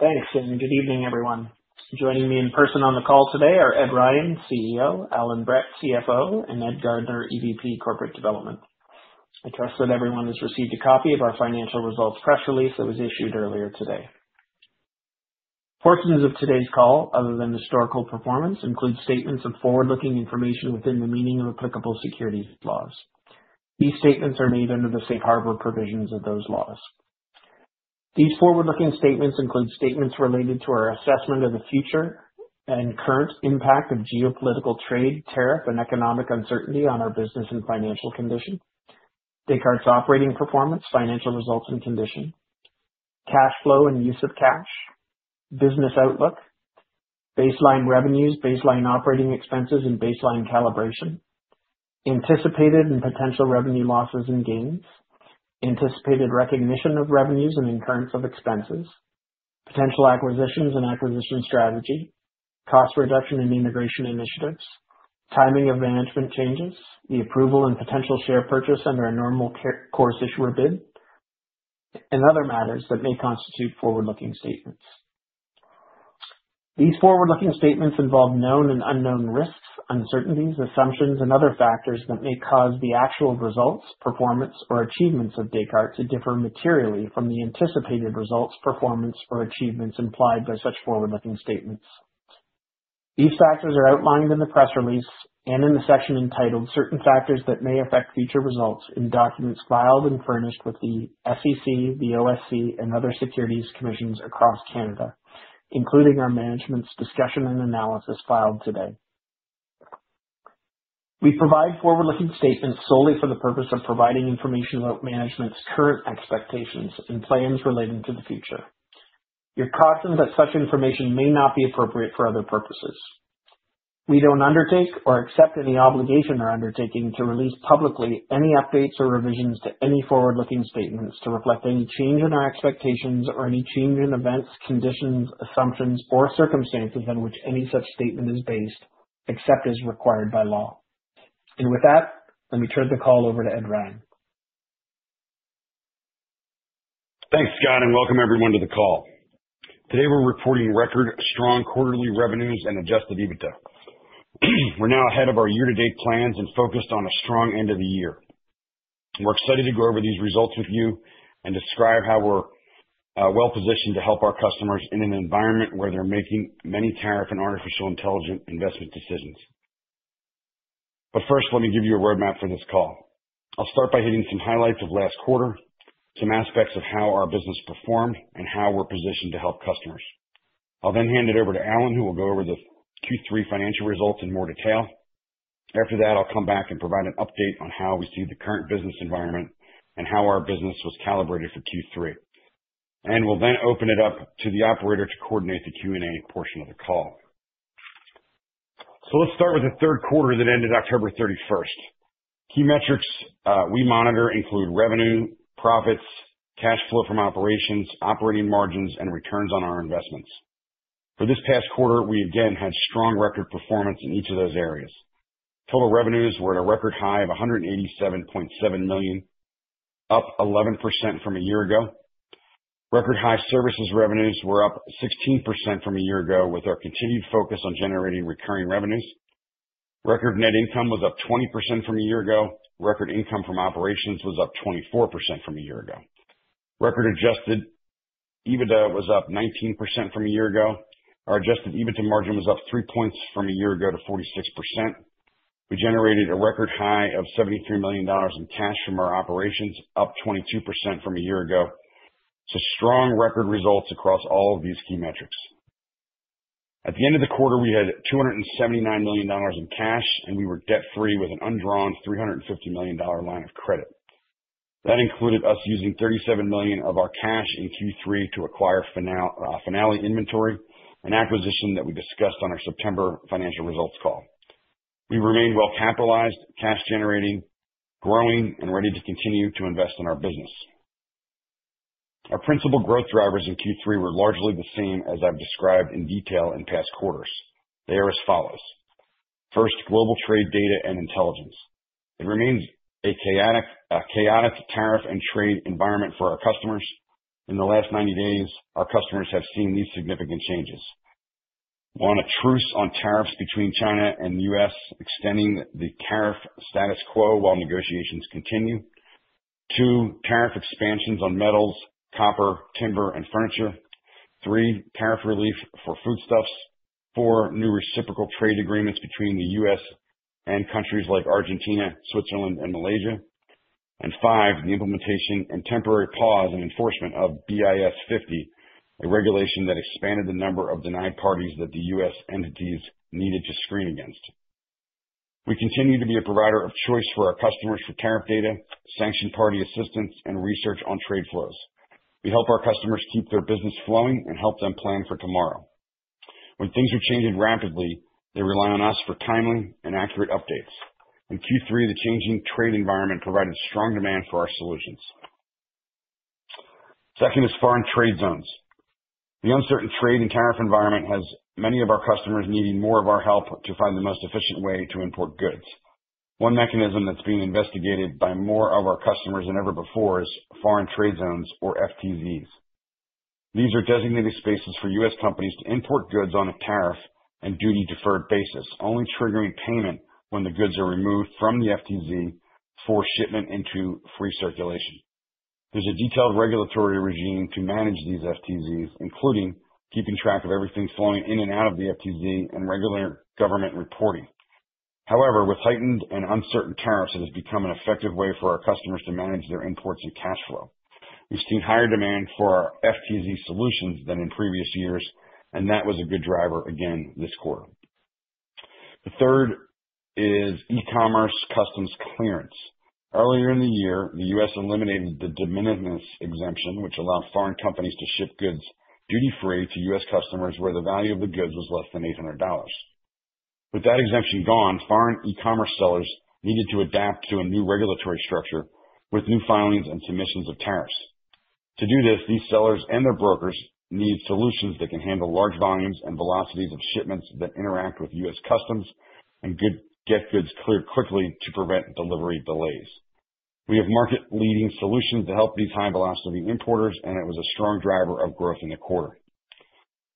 Thanks, and good evening, everyone. Joining me in person on the call today are Ed Ryan, CEO, Allan Brett, CFO, and Ed Gardner, EVP, Corporate Development. I trust that everyone has received a copy of our financial results press release that was issued earlier today. Portions of today's call, other than historical performance, include statements of forward-looking information within the meaning of applicable securities laws. These statements are made under the safe harbor provisions of those laws. These forward-looking statements include statements related to our assessment of the future and current impact of geopolitical trade, tariff, and economic uncertainty on our business and financial condition, Descartes' operating performance, financial results and condition, cash flow and use of cash, business outlook, baseline revenues, baseline operating expenses, and baseline calibration, anticipated and potential revenue losses and gains, anticipated recognition of revenues and incurrence of expenses, potential acquisitions and acquisition strategy, cost reduction and integration initiatives, timing of management changes, the approval and potential share purchase under a Normal Course Issuer Bid, and other matters that may constitute forward-looking statements. These forward-looking statements involve known and unknown risks, uncertainties, assumptions, and other factors that may cause the actual results, performance, or achievements of Descartes to differ materially from the anticipated results, performance, or achievements implied by such forward-looking statements. These factors are outlined in the press release and in the section entitled "Certain Factors That May Affect Future Results" in documents filed and furnished with the SEC, the OSC, and other securities commissions across Canada, including our management's discussion and analysis filed today. We provide forward-looking statements solely for the purpose of providing information about management's current expectations and plans relating to the future. Use caution that such information may not be appropriate for other purposes. We don't undertake or accept any obligation or undertaking to release publicly any updates or revisions to any forward-looking statements to reflect any change in our expectations or any change in events, conditions, assumptions, or circumstances on which any such statement is based, except as required by law. And with that, let me turn the call over to Ed Ryan. Thanks, Scott, and welcome everyone to the call. Today we're reporting record-strong quarterly revenues and Adjusted EBITDA. We're now ahead of our year-to-date plans and focused on a strong end of the year. We're excited to go over these results with you and describe how we're well-positioned to help our customers in an environment where they're making many tariff and artificial intelligence investment decisions. But first, let me give you a roadmap for this call. I'll start by hitting some highlights of last quarter, some aspects of how our business performed, and how we're positioned to help customers. I'll then hand it over to Allan, who will go over the Q3 financial results in more detail. After that, I'll come back and provide an update on how we see the current business environment and how our business was calibrated for Q3. We'll then open it up to the operator to coordinate the Q&A portion of the call. Let's start with the third quarter that ended October 31st. Key metrics we monitor include revenue, profits, cash flow from operations, operating margins, and returns on our investments. For this past quarter, we again had strong record performance in each of those areas. Total revenues were at a record high of $187.7 million, up 11% from a year ago. Record high services revenues were up 16% from a year ago with our continued focus on generating recurring revenues. Record net income was up 20% from a year ago. Record income from operations was up 24% from a year ago. Record Adjusted EBITDA was up 19% from a year ago. Our Adjusted EBITDA margin was up three points from a year ago to 46%. We generated a record high of $73 million in cash from our operations, up 22% from a year ago, so strong record results across all of these key metrics. At the end of the quarter, we had $279 million in cash, and we were debt-free with an undrawn $350 million line of credit. That included us using $37 million of our cash in Q3 to acquire Finale Inventory, an acquisition that we discussed on our September financial results call. We remained well-capitalized, cash-generating, growing, and ready to continue to invest in our business. Our principal growth drivers in Q3 were largely the same as I've described in detail in past quarters. They are as follows. First, Global Trade Intelligence. It remains a chaotic tariff and trade environment for our customers. In the last 90 days, our customers have seen these significant changes. One, a truce on tariffs between China and the U.S., extending the tariff status quo while negotiations continue. Two, tariff expansions on metals, copper, timber, and furniture. Three, tariff relief for foodstuffs. Four, new reciprocal trade agreements between the U.S. and countries like Argentina, Switzerland, and Malaysia. And five, the implementation and temporary pause in enforcement of BIS 50, a regulation that expanded the number of denied parties that the U.S. entities needed to screen against. We continue to be a provider of choice for our customers for tariff data, sanctioned party assistance, and research on trade flows. We help our customers keep their business flowing and help them plan for tomorrow. When things are changing rapidly, they rely on us for timely and accurate updates. In Q3, the changing trade environment provided strong demand for our solutions. Second is foreign trade zones. The uncertain trade and tariff environment has many of our customers needing more of our help to find the most efficient way to import goods. One mechanism that's being investigated by more of our customers than ever before is foreign trade zones, or FTZs. These are designated spaces for U.S. companies to import goods on a tariff and duty-deferred basis, only triggering payment when the goods are removed from the FTZ for shipment into free circulation. There's a detailed regulatory regime to manage these FTZs, including keeping track of everything flowing in and out of the FTZ and regular government reporting. However, with heightened and uncertain tariffs, it has become an effective way for our customers to manage their imports and cash flow. We've seen higher demand for our FTZ solutions than in previous years, and that was a good driver again this quarter. The third is e-commerce customs clearance. Earlier in the year, the U.S. eliminated the de minimis exemption, which allowed foreign companies to ship goods duty-free to U.S. customers where the value of the goods was less than $800. With that exemption gone, foreign e-commerce sellers needed to adapt to a new regulatory structure with new filings and submissions of tariffs. To do this, these sellers and their brokers need solutions that can handle large volumes and velocities of shipments that interact with U.S. customs and get goods cleared quickly to prevent delivery delays. We have market-leading solutions to help these high-velocity importers, and it was a strong driver of growth in the quarter.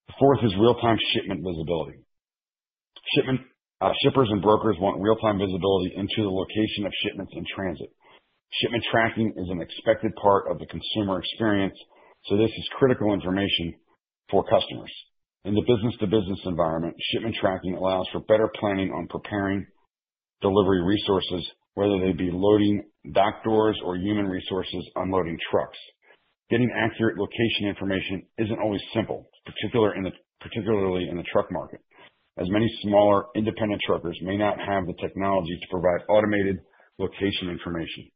The fourth is real-time shipment visibility. Shippers and brokers want real-time visibility into the location of shipments in transit. Shipment tracking is an expected part of the consumer experience, so this is critical information for customers. In the business-to-business environment, shipment tracking allows for better planning on preparing delivery resources, whether they be loading dock doors or human resources unloading trucks. Getting accurate location information isn't always simple, particularly in the truck market, as many smaller independent truckers may not have the technology to provide automated location information.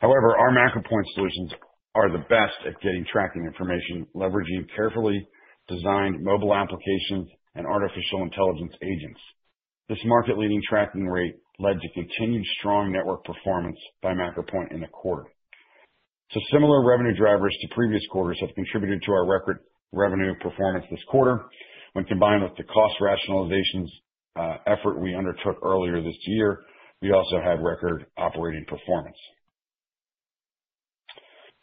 However, our MacroPoint solutions are the best at getting tracking information, leveraging carefully designed mobile applications and artificial intelligence agents. This market-leading tracking rate led to continued strong network performance by MacroPoint in the quarter, so similar revenue drivers to previous quarters have contributed to our record revenue performance this quarter. When combined with the cost rationalization effort we undertook earlier this year, we also had record operating performance.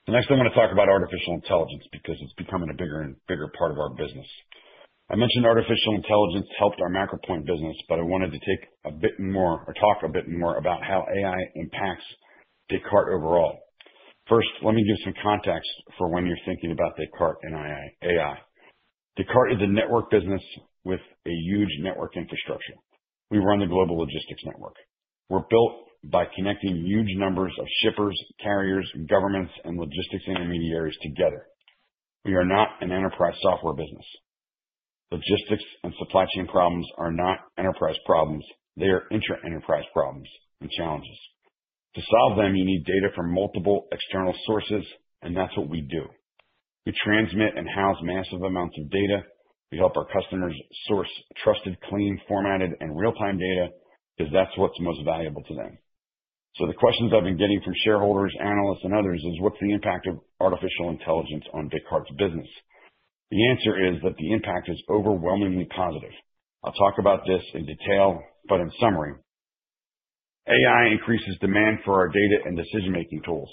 The next thing I want to talk about is artificial intelligence because it's becoming a bigger and bigger part of our business. I mentioned artificial intelligence helped our MacroPoint business, but I wanted to take a bit more or talk a bit more about how AI impacts Descartes overall. First, let me give some context for when you're thinking about Descartes and AI. Descartes is a network business with a huge network infrastructure. We run the Global Logistics Network. We're built by connecting huge numbers of shippers, carriers, governments, and logistics intermediaries together. We are not an enterprise software business. Logistics and supply chain problems are not enterprise problems. They are inter-enterprise problems and challenges. To solve them, you need data from multiple external sources, and that's what we do. We transmit and house massive amounts of data. We help our customers source trusted, clean, formatted, and real-time data because that's what's most valuable to them. So the questions I've been getting from shareholders, analysts, and others is, what's the impact of artificial intelligence on Descartes' business? The answer is that the impact is overwhelmingly positive. I'll talk about this in detail, but in summary, AI increases demand for our data and decision-making tools.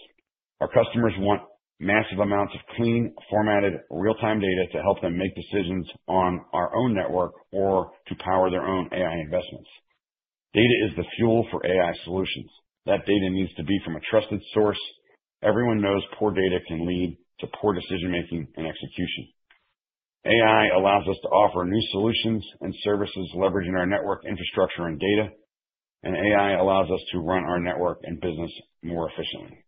Our customers want massive amounts of clean, formatted, real-time data to help them make decisions on our own network or to power their own AI investments. Data is the fuel for AI solutions. That data needs to be from a trusted source. Everyone knows poor data can lead to poor decision-making and execution. AI allows us to offer new solutions and services leveraging our network infrastructure and data, and AI allows us to run our network and business more efficiently.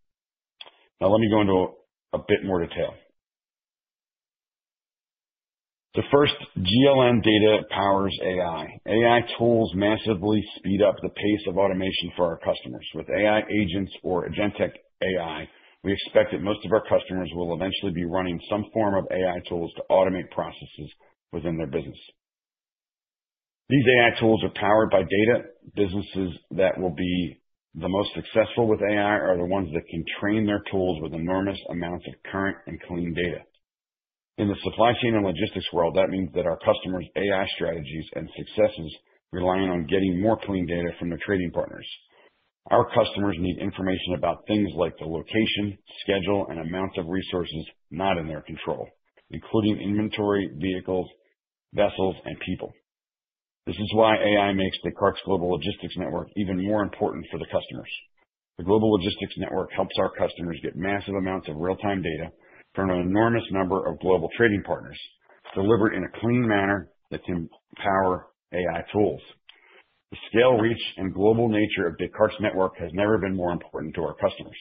Now, let me go into a bit more detail. The first, GLM data powers AI. AI tools massively speed up the pace of automation for our customers. With AI agents or Agentic AI, we expect that most of our customers will eventually be running some form of AI tools to automate processes within their business. These AI tools are powered by data. Businesses that will be the most successful with AI are the ones that can train their tools with enormous amounts of current and clean data. In the supply chain and logistics world, that means that our customers' AI strategies and successes rely on getting more clean data from their trading partners. Our customers need information about things like the location, schedule, and amounts of resources not in their control, including inventory, vehicles, vessels, and people. This is why AI makes Descartes' Global Logistics Network even more important for the customers. The global logistics network helps our customers get massive amounts of real-time data from an enormous number of global trading partners, delivered in a clean manner that can power AI tools. The scale, reach, and global nature of Descartes' network has never been more important to our customers.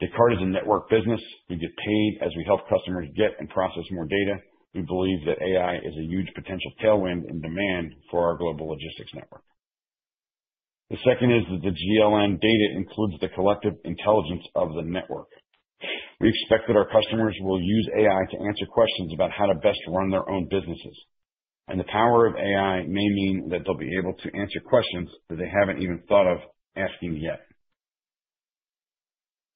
Descartes is a network business. We get paid as we help customers get and process more data. We believe that AI is a huge potential tailwind in demand for our global logistics network. The second is that the GLM data includes the collective intelligence of the network. We expect that our customers will use AI to answer questions about how to best run their own businesses, and the power of AI may mean that they'll be able to answer questions that they haven't even thought of asking yet.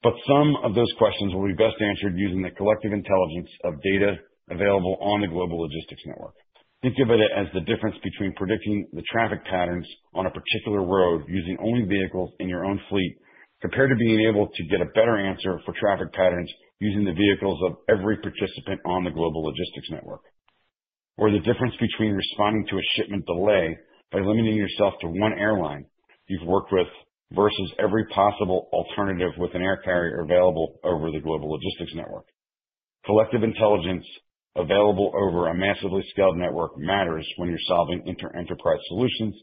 But some of those questions will be best answered using the collective intelligence of data available on the global logistics network. Think of it as the difference between predicting the traffic patterns on a particular road using only vehicles in your own fleet compared to being able to get a better answer for traffic patterns using the vehicles of every participant on the global logistics network. Or the difference between responding to a shipment delay by limiting yourself to one airline you've worked with versus every possible alternative with an air carrier available over the global logistics network. Collective intelligence available over a massively scaled network matters when you're solving inter-enterprise solutions,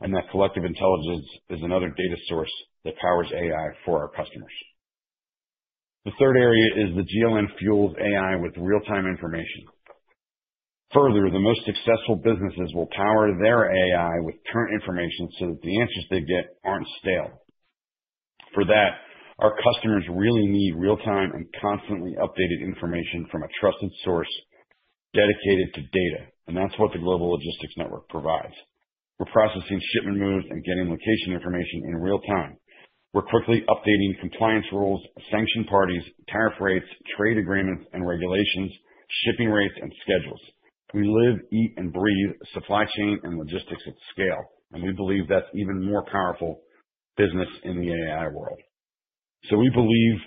and that collective intelligence is another data source that powers AI for our customers. The third area is the GLM fuels AI with real-time information. Further, the most successful businesses will power their AI with current information so that the answers they get aren't stale. For that, our customers really need real-time and constantly updated information from a trusted source dedicated to data, and that's what the Global Logistics Network provides. We're processing shipment moves and getting location information in real time. We're quickly updating compliance rules, sanctioned parties, tariff rates, trade agreements and regulations, shipping rates and schedules. We live, eat, and breathe supply chain and logistics at scale, and we believe that's even more powerful business in the AI world. So we believe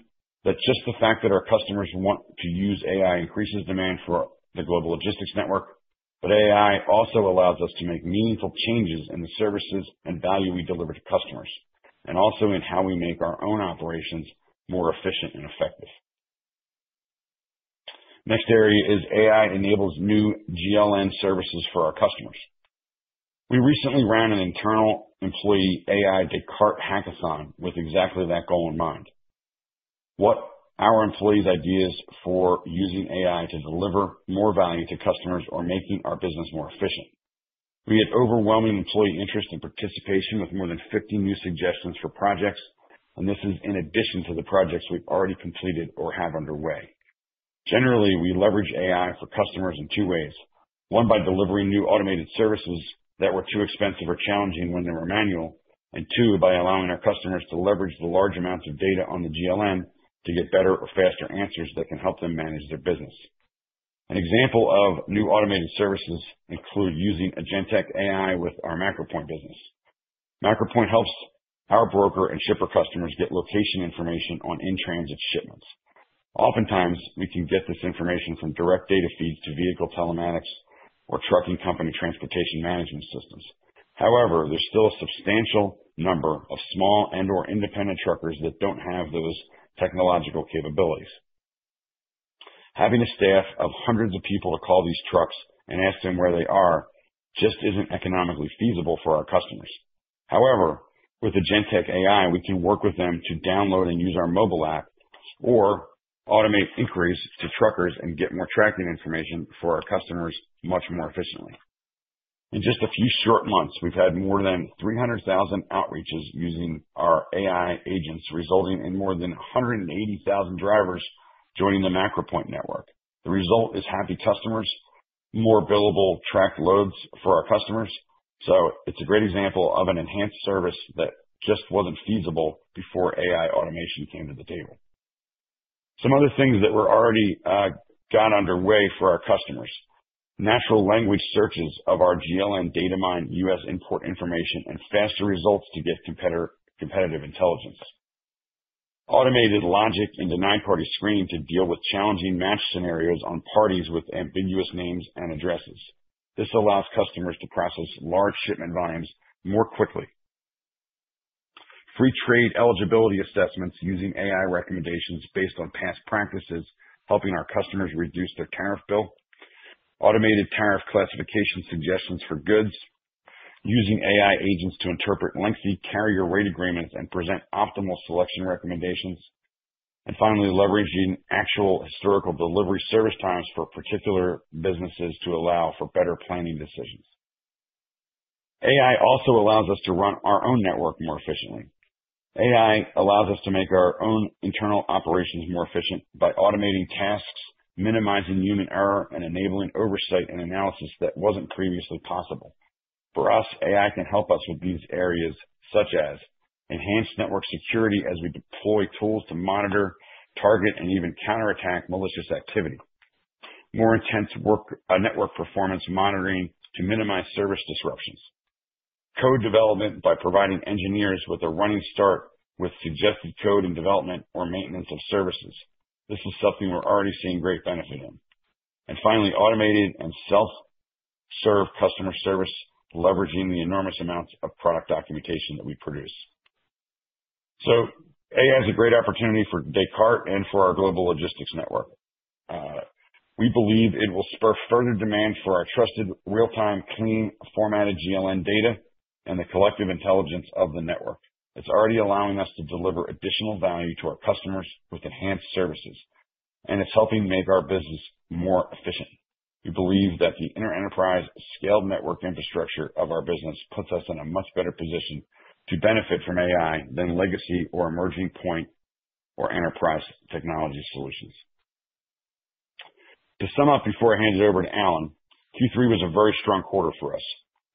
that just the fact that our customers want to use AI increases demand for the Global Logistics Network, but AI also allows us to make meaningful changes in the services and value we deliver to customers, and also in how we make our own operations more efficient and effective. Next area is AI enables new GLM services for our customers. We recently ran an internal employee AI Descartes hackathon with exactly that goal in mind. What are our employees' ideas for using AI to deliver more value to customers or making our business more efficient? We had overwhelming employee interest and participation with more than 50 new suggestions for projects, and this is in addition to the projects we've already completed or have underway. Generally, we leverage AI for customers in two ways. One, by delivering new automated services that were too expensive or challenging when they were manual, and two, by allowing our customers to leverage the large amounts of data on the GLM to get better or faster answers that can help them manage their business. An example of new automated services includes using agentic AI with our MacroPoint business. MacroPoint helps our broker and shipper customers get location information on in-transit shipments. Oftentimes, we can get this information from direct data feeds to vehicle telematics or trucking company transportation management systems. However, there's still a substantial number of small and/or independent truckers that don't have those technological capabilities. Having a staff of hundreds of people to call these trucks and ask them where they are just isn't economically feasible for our customers. However, with Agentic AI, we can work with them to download and use our mobile app or automate inquiries to truckers and get more tracking information for our customers much more efficiently. In just a few short months, we've had more than 300,000 outreaches using our AI agents, resulting in more than 180,000 drivers joining the MacroPoint network. The result is happy customers, more billable tracked loads for our customers. So it's a great example of an enhanced service that just wasn't feasible before AI automation came to the table. Some other things that we're already got underway for our customers: natural language searches of our GLM data mine, U.S. import information, and faster results to get competitive intelligence. Automated logic into nine-party screening to deal with challenging match scenarios on parties with ambiguous names and addresses. This allows customers to process large shipment volumes more quickly. Free trade eligibility assessments using AI recommendations based on past practices, helping our customers reduce their tariff bill. Automated tariff classification suggestions for goods, using AI agents to interpret lengthy carrier rate agreements and present optimal selection recommendations. And finally, leveraging actual historical delivery service times for particular businesses to allow for better planning decisions. AI also allows us to run our own network more efficiently. AI allows us to make our own internal operations more efficient by automating tasks, minimizing human error, and enabling oversight and analysis that wasn't previously possible. For us, AI can help us with these areas such as enhanced network security as we deploy tools to monitor, target, and even counterattack malicious activity, more intense network performance monitoring to minimize service disruptions, code development by providing engineers with a running start with suggested code and development or maintenance of services. This is something we're already seeing great benefit in, and finally, automated and self-serve customer service leveraging the enormous amounts of product documentation that we produce, so AI is a great opportunity for Descartes and for our global logistics network. We believe it will spur further demand for our trusted, real-time, clean, formatted GLM data and the collective intelligence of the network. It's already allowing us to deliver additional value to our customers with enhanced services, and it's helping make our business more efficient. We believe that the inter-enterprise scaled network infrastructure of our business puts us in a much better position to benefit from AI than legacy or emerging point or enterprise technology solutions. To sum up before I hand it over to Allan, Q3 was a very strong quarter for us.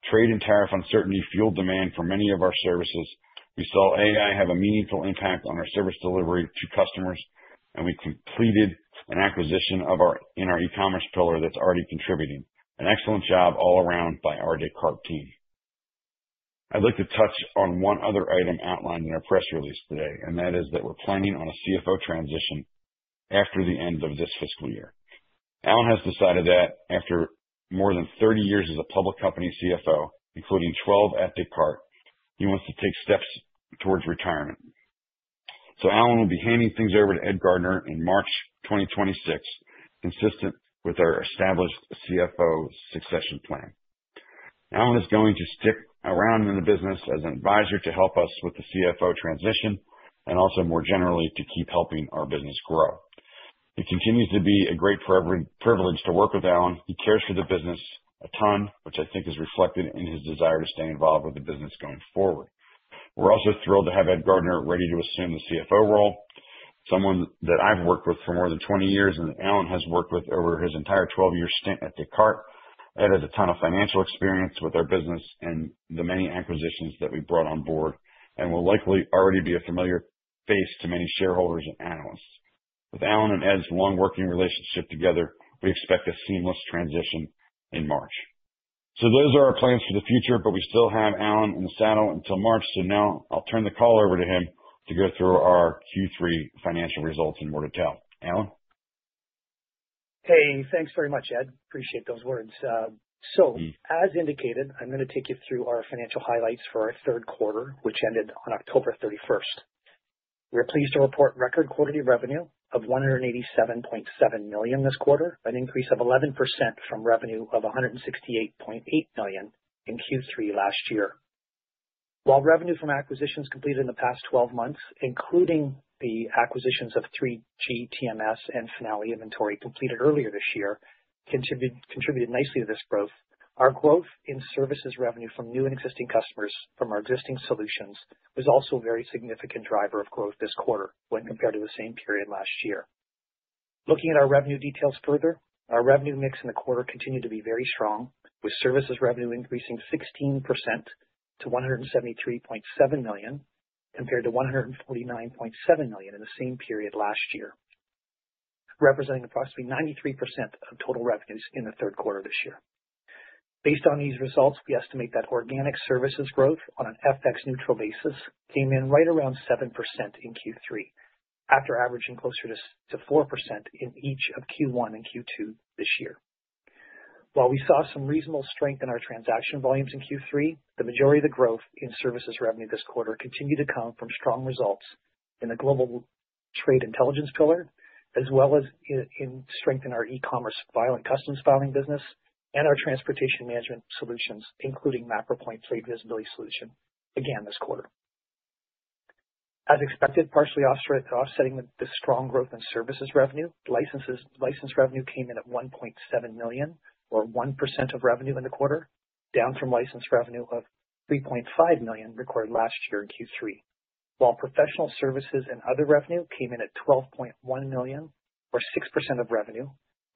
Trade and tariff uncertainty fueled demand for many of our services. We saw AI have a meaningful impact on our service delivery to customers, and we completed an acquisition in our e-commerce pillar that's already contributing. An excellent job all around by our Descartes team. I'd like to touch on one other item outlined in our press release today, and that is that we're planning on a CFO transition after the end of this fiscal year. Allan has decided that after more than 30 years as a public company CFO, including 12 at Descartes, he wants to take steps towards retirement. So Allan will be handing things over to Ed Gardner in March 2026, consistent with our established CFO succession plan. Allan is going to stick around in the business as an advisor to help us with the CFO transition and also more generally to keep helping our business grow. It continues to be a great privilege to work with Allan. He cares for the business a ton, which I think is reflected in his desire to stay involved with the business going forward. We're also thrilled to have Ed Gardner ready to assume the CFO role, someone that I've worked with for more than 20 years and that Allan has worked with over his entire 12-year stint at Descartes. Ed has a ton of financial experience with our business and the many acquisitions that we brought on board and will likely already be a familiar face to many shareholders and analysts. With Allan and Ed's long working relationship together, we expect a seamless transition in March. So those are our plans for the future, but we still have Allan in the saddle until March. So now I'll turn the call over to him to go through our Q3 financial results in more detail. Allan? Hey, thanks very much, Ed. Appreciate those words. So as indicated, I'm going to take you through our financial highlights for our third quarter, which ended on October 31st. We're pleased to report record quarterly revenue of $187.7 million this quarter, an increase of 11% from revenue of $168.8 million in Q3 last year. While revenue from acquisitions completed in the past 12 months, including the acquisitions of 3GTMS and Finale Inventory completed earlier this year, contributed nicely to this growth, our growth in services revenue from new and existing customers from our existing solutions was also a very significant driver of growth this quarter when compared to the same period last year. Looking at our revenue details further, our revenue mix in the quarter continued to be very strong, with services revenue increasing 16% to $173.7 million compared to $149.7 million in the same period last year, representing approximately 93% of total revenues in the third quarter this year. Based on these results, we estimate that organic services growth on an FX neutral basis came in right around 7% in Q3, after averaging closer to 4% in each of Q1 and Q2 this year. While we saw some reasonable strength in our transaction volumes in Q3, the majority of the growth in services revenue this quarter continued to come from strong results in the Global Trade Intelligence pillar, as well as in strength in our e-commerce fulfillment and customs filing business and our Transportation Management solutions, including MacroPoint trade visibility solution, again this quarter. As expected, partially offsetting the strong growth in services revenue, license revenue came in at $1.7 million or 1% of revenue in the quarter, down from license revenue of $3.5 million recorded last year in Q3. While professional services and other revenue came in at $12.1 million or 6% of revenue,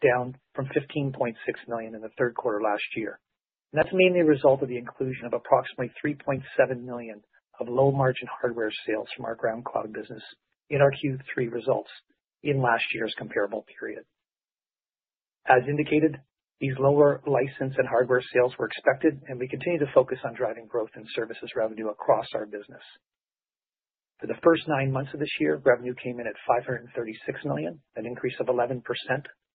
down from $15.6 million in the third quarter last year. That's mainly a result of the inclusion of approximately $3.7 million of low-margin hardware sales from our GroundCloud business in our Q3 results in last year's comparable period. As indicated, these lower license and hardware sales were expected, and we continue to focus on driving growth in services revenue across our business. For the first nine months of this year, revenue came in at $536 million, an increase of 11%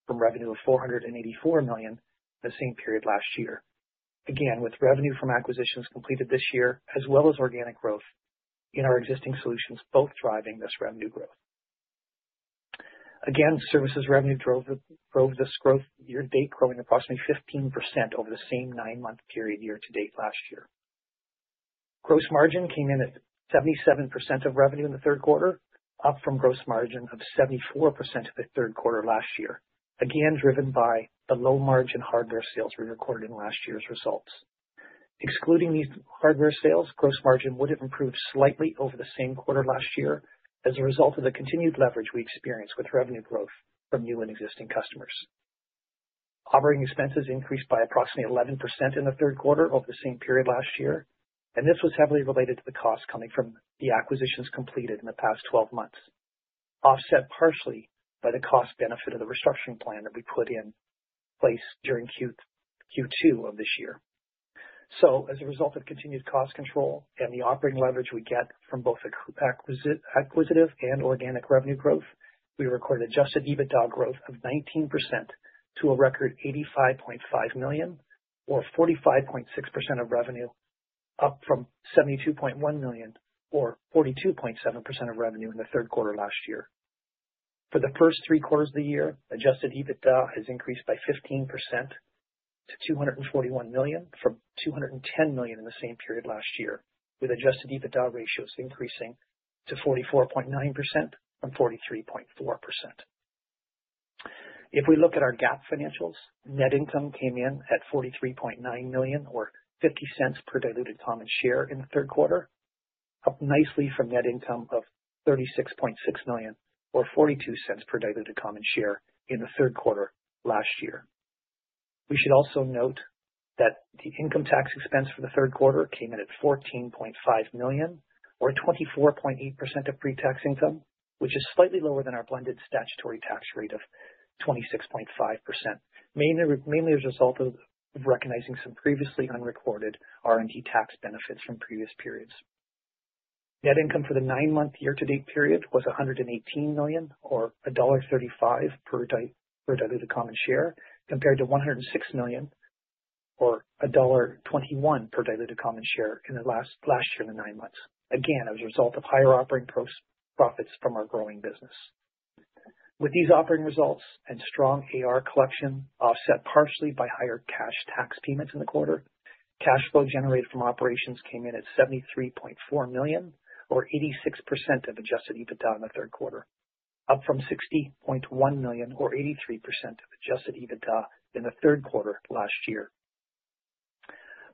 from revenue of $484 million in the same period last year. Again, with revenue from acquisitions completed this year, as well as organic growth in our existing solutions, both driving this revenue growth. Again, services revenue drove this growth year-to-date, growing approximately 15% over the same nine-month period year-to-date last year. Gross margin came in at 77% of revenue in the third quarter, up from gross margin of 74% of the third quarter last year, again driven by the low-margin hardware sales we recorded in last year's results. Excluding these hardware sales, gross margin would have improved slightly over the same quarter last year as a result of the continued leverage we experienced with revenue growth from new and existing customers. Operating expenses increased by approximately 11% in the third quarter over the same period last year, and this was heavily related to the costs coming from the acquisitions completed in the past 12 months, offset partially by the cost benefit of the restructuring plan that we put in place during Q2 of this year. So as a result of continued cost control and the operating leverage we get from both acquisitive and organic revenue growth, we recorded Adjusted EBITDA growth of 19% to a record $85.5 million or 45.6% of revenue, up from $72.1 million or 42.7% of revenue in the third quarter last year. For the first three quarters of the year, Adjusted EBITDA has increased by 15% to $241 million from $210 million in the same period last year, with Adjusted EBITDA ratios increasing to 44.9% from 43.4%. If we look at our GAAP financials, net income came in at $43.9 million or $0.50 per diluted common share in the third quarter, up nicely from net income of $36.6 million or $0.42 per diluted common share in the third quarter last year. We should also note that the income tax expense for the third quarter came in at $14.5 million or 24.8% of pre-tax income, which is slightly lower than our blended statutory tax rate of 26.5%, mainly as a result of recognizing some previously unrecorded R&D tax benefits from previous periods. Net income for the nine-month year-to-date period was $118 million or $1.35 per diluted common share, compared to $106 million or $1.21 per diluted common share in the last year in the nine months, again as a result of higher operating profits from our growing business. With these operating results and strong AR collection offset partially by higher cash tax payments in the quarter, cash flow generated from operations came in at $73.4 million or 86% of adjusted EBITDA in the third quarter, up from $60.1 million or 83% of adjusted EBITDA in the third quarter last year.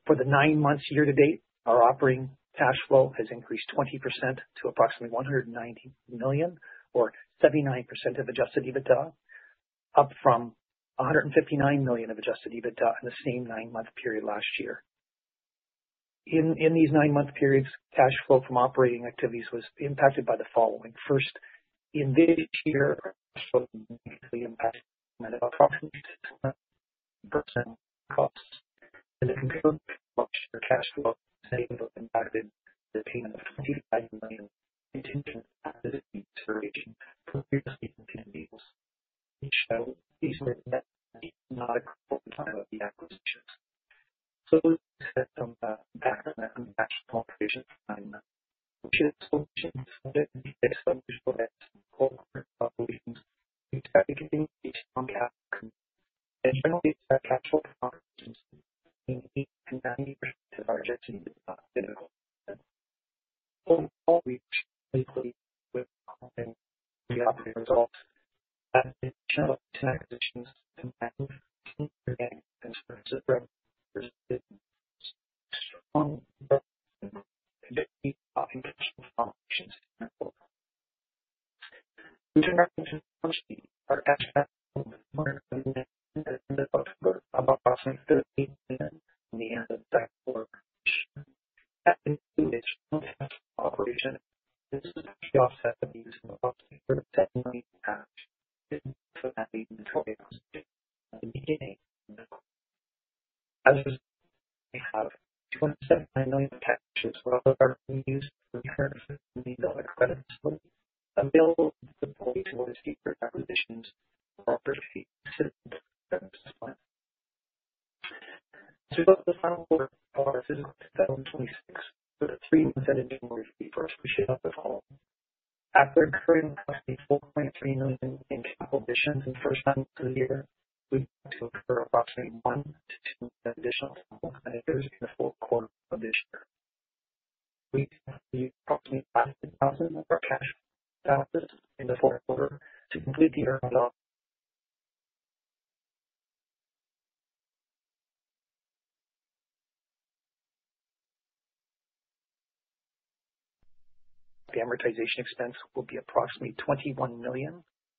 For the nine months year to date, our operating cash flow has increased 20% to approximately $190 million or 79% of adjusted EBITDA, up from $159 million of adjusted EBITDA in the same nine-month period last year. In these nine-month periods, cash flow from operating activities was impacted by the following. First, in this year, cash flow was negatively impacted by approximately 10% of gross revenue. In the comparable period last year, cash flow was negatively impacted by the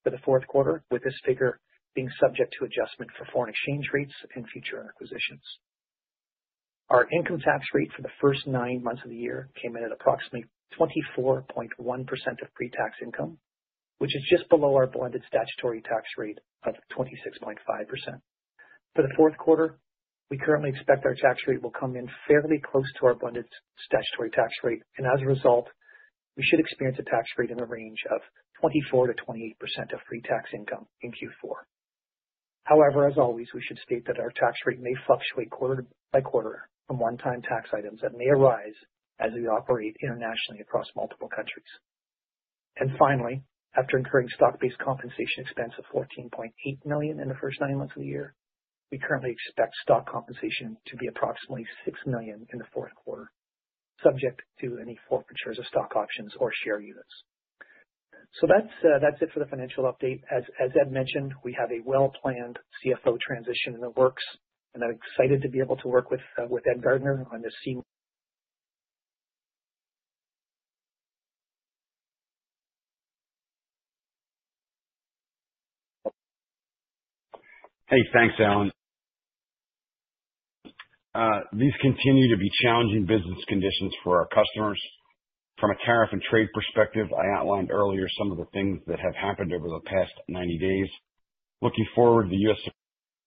for the fourth quarter, with this figure being subject to adjustment for foreign exchange rates and future acquisitions. Our income tax rate for the first nine months of the year came in at approximately 24.1% of pre-tax income, which is just below our blended statutory tax rate of 26.5%. For the fourth quarter, we currently expect our tax rate will come in fairly close to our blended statutory tax rate, and as a result, we should experience a tax rate in the range of 24%-28% of pre-tax income in Q4. However, as always, we should state that our tax rate may fluctuate quarter by quarter from one-time tax items that may arise as we operate internationally across multiple countries. And finally, after incurring stock-based compensation expense of $14.8 million in the first nine months of the year, we currently expect stock compensation to be approximately $6 million in the fourth quarter, subject to any forfeitures of stock options or share units. So that's it for the financial update. As Ed mentioned, we have a well-planned CFO transition in the works, and I'm excited to be able to work with Ed Gardner on this. Hey, thanks, Allan. These continue to be challenging business conditions for our customers. From a tariff and trade perspective, I outlined earlier some of the things that have happened over the past 90 days. Looking forward, the U.S.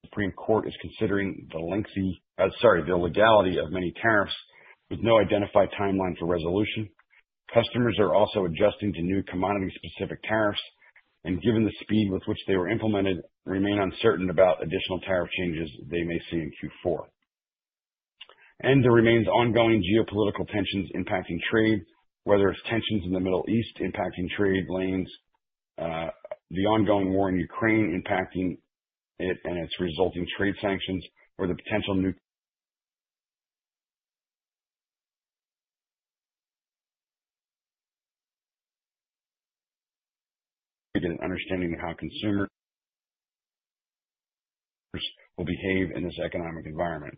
Supreme Court is considering the legality of many tariffs with no identified timeline for resolution. Customers are also adjusting to new commodity-specific tariffs, and given the speed with which they were implemented, remain uncertain about additional tariff changes they may see in Q4, and there remain ongoing geopolitical tensions impacting trade, whether it's tensions in the Middle East impacting trade lanes, the ongoing war in Ukraine impacting it and its resulting trade sanctions, or the potential new. Again, understanding how consumers will behave in this economic environment,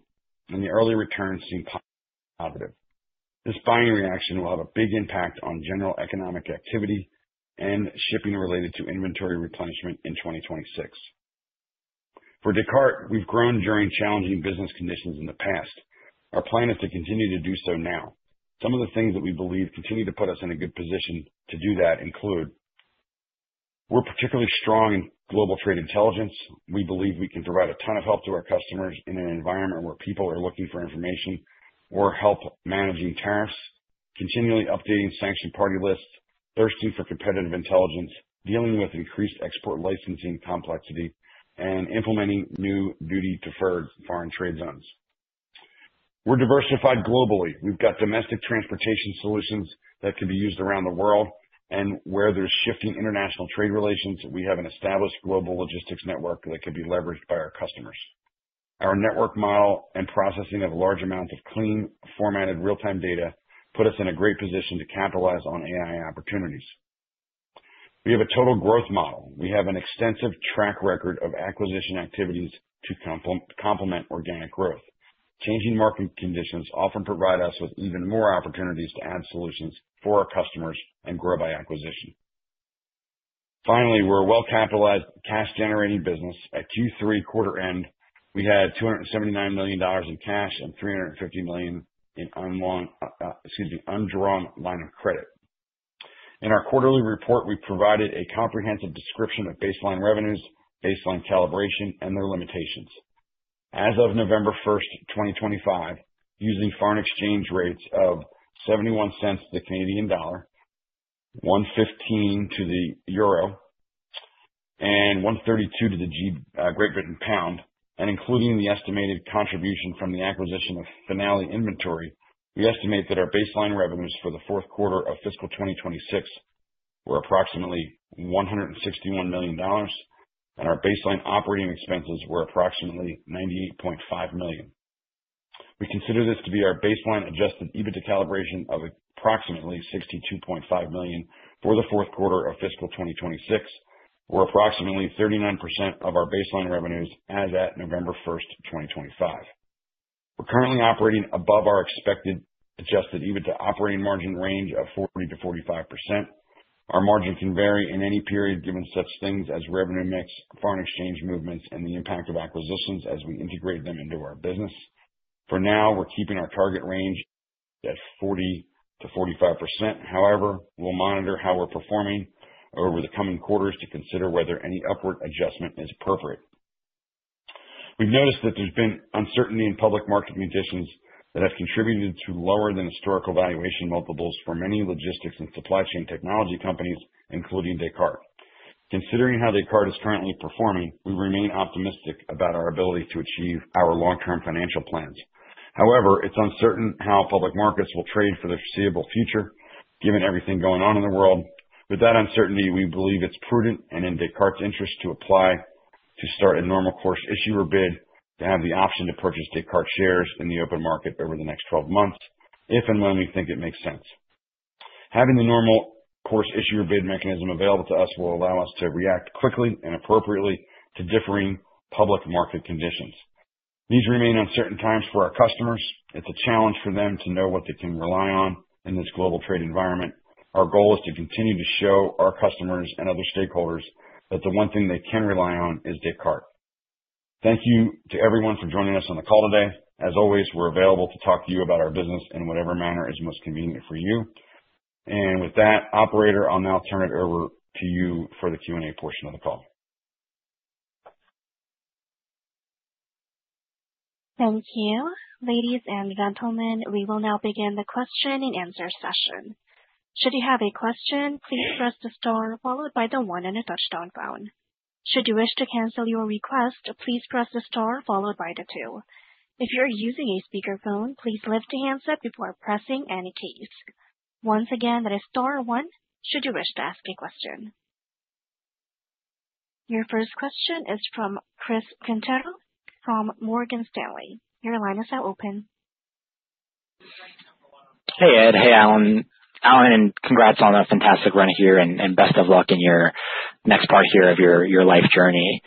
and the early returns seem positive. This buying reaction will have a big impact on general economic activity and shipping related to inventory replenishment in 2026. For Descartes, we've grown during challenging business conditions in the past. Our plan is to continue to do so now. Some of the things that we believe continue to put us in a good position to do that include we're particularly strong in global trade intelligence. We believe we can provide a ton of help to our customers in an environment where people are looking for information or help managing tariffs, continually updating sanctioned party lists, thirsting for competitive intelligence, dealing with increased export licensing complexity, and implementing new duty-deferred foreign trade zones. We're diversified globally. We've got domestic transportation solutions that can be used around the world, and where there's shifting international trade relations, we have an established global logistics network that can be leveraged by our customers. Our network model and processing of large amounts of clean, formatted real-time data put us in a great position to capitalize on AI opportunities. We have a total growth model. We have an extensive track record of acquisition activities to complement organic growth. Changing market conditions often provide us with even more opportunities to add solutions for our customers and grow by acquisition. Finally, we're a well-capitalized cash-generating business. At Q3 quarter end, we had $279 million in cash and $350 million in undrawn line of credit. In our quarterly report, we provided a comprehensive description of baseline revenues, baseline calibration, and their limitations. As of November 1st, 2025, using foreign exchange rates of 71 cents to the Canadian dollar, 115 to the euro, and 132 to the Great Britain pound, and including the estimated contribution from the acquisition of Finale Inventory, we estimate that our baseline revenues for the fourth quarter of fiscal 2026 were approximately $161 million, and our baseline operating expenses were approximately $98.5 million. We consider this to be our baseline adjusted EBITDA calibration of approximately $62.5 million for the fourth quarter of fiscal 2026, or approximately 39% of our baseline revenues as at November 1st, 2025. We're currently operating above our expected adjusted EBITDA operating margin range of 40%-45%. Our margin can vary in any period given such things as revenue mix, foreign exchange movements, and the impact of acquisitions as we integrate them into our business. For now, we're keeping our target range at 40%-45%. However, we'll monitor how we're performing over the coming quarters to consider whether any upward adjustment is appropriate. We've noticed that there's been uncertainty in public market conditions that have contributed to lower than historical valuation multiples for many logistics and supply chain technology companies, including Descartes. Considering how Descartes is currently performing, we remain optimistic about our ability to achieve our long-term financial plans. However, it's uncertain how public markets will trade for the foreseeable future, given everything going on in the world. With that uncertainty, we believe it's prudent and in Descartes' interest to apply to start a normal course issuer bid to have the option to purchase Descartes shares in the open market over the next 12 months, if and when we think it makes sense. Having the normal course issuer bid mechanism available to us will allow us to react quickly and appropriately to differing public market conditions. These remain uncertain times for our customers. It's a challenge for them to know what they can rely on in this global trade environment. Our goal is to continue to show our customers and other stakeholders that the one thing they can rely on is Descartes. Thank you to everyone for joining us on the call today. As always, we're available to talk to you about our business in whatever manner is most convenient for you. With that, Operator, I'll now turn it over to you for the Q&A portion of the call. Thank you. Ladies and gentlemen, we will now begin the question and answer session. Should you have a question, please press the star followed by the one on your touchtone phone. Should you wish to cancel your request, please press the star followed by the two. If you're using a speakerphone, please lift the handset before pressing any keys. Once again, that is star one. Should you wish to ask a question? Your first question is from Chris Quintero from Morgan Stanley. Your line is now open. Hey, Ed. Hey, Allan. Allan, and congrats on a fantastic run here, and best of luck in your next part here of your life journey.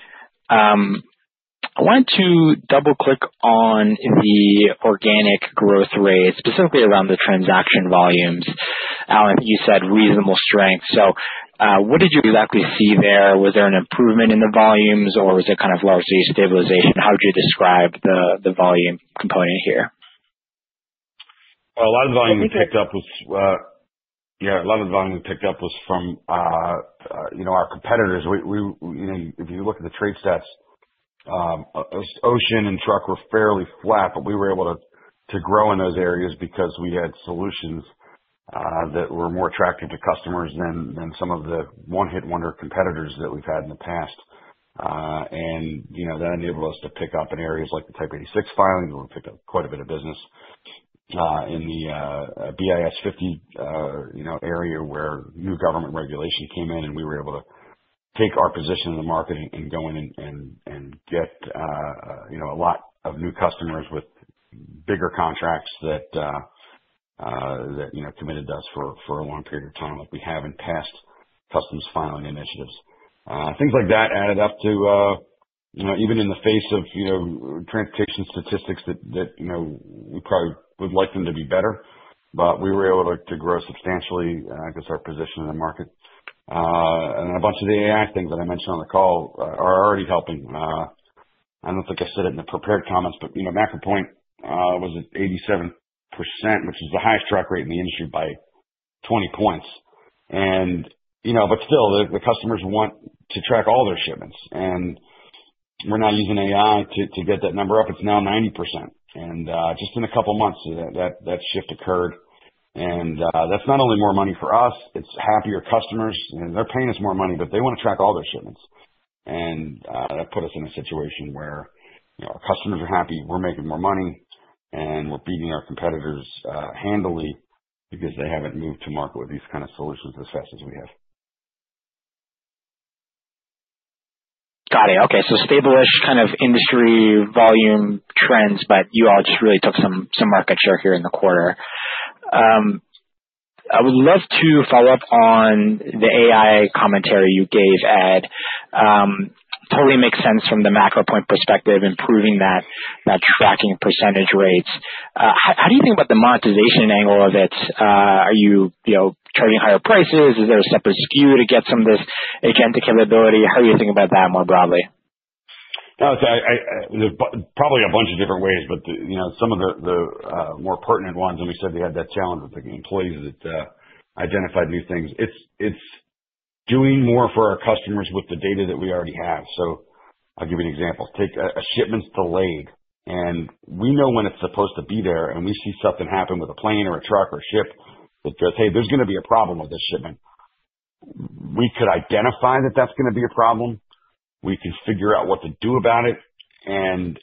I want to double-click on the organic growth rate, specifically around the transaction volumes. Allan, you said reasonable strength. So what did you exactly see there? Was there an improvement in the volumes, or was it kind of largely stabilization? How would you describe the volume component here? A lot of the volume we picked up was from our competitors. If you look at the trade stats, Ocean and Truck were fairly flat, but we were able to grow in those areas because we had solutions that were more attractive to customers than some of the one-hit-wonder competitors that we've had in the past, and that enabled us to pick up in areas like the Type 86 filings. We picked up quite a bit of business in the BIS 50 area where new government regulation came in, and we were able to take our position in the market and go in and get a lot of new customers with bigger contracts that committed to us for a long period of time, like we have in past customs filing initiatives. Things like that added up to, even in the face of transportation statistics, that we probably would like them to be better, but we were able to grow substantially because of our position in the market. And a bunch of the AI things that I mentioned on the call are already helping. I don't think I said it in the prepared comments, but MacroPoint was at 87%, which is the highest truck rate in the industry by 20 points. But still, the customers want to track all their shipments. And we're now using AI to get that number up. It's now 90%. And just in a couple of months, that shift occurred. And that's not only more money for us, it's happier customers. And they're paying us more money, but they want to track all their shipments. That put us in a situation where our customers are happy, we're making more money, and we're beating our competitors handily because they haven't moved to market with these kinds of solutions as fast as we have. Got it. Okay. Establish kind of industry volume trends, but you all just really took some market share here in the quarter. I would love to follow up on the AI commentary you gave, Ed. Totally makes sense from the MacroPoint perspective, improving that tracking percentage rates. How do you think about the monetization angle of it? Are you charging higher prices? Is there a separate SKU to get some of this agentic capability? How do you think about that more broadly? It's probably a bunch of different ways, but some of the more pertinent ones, and we said we had that challenge with the employees that identified new things. It's doing more for our customers with the data that we already have. So I'll give you an example. Take a shipment's delayed, and we know when it's supposed to be there, and we see something happen with a plane or a truck or a ship that goes, "Hey, there's going to be a problem with this shipment." We could identify that that's going to be a problem. We can figure out what to do about it and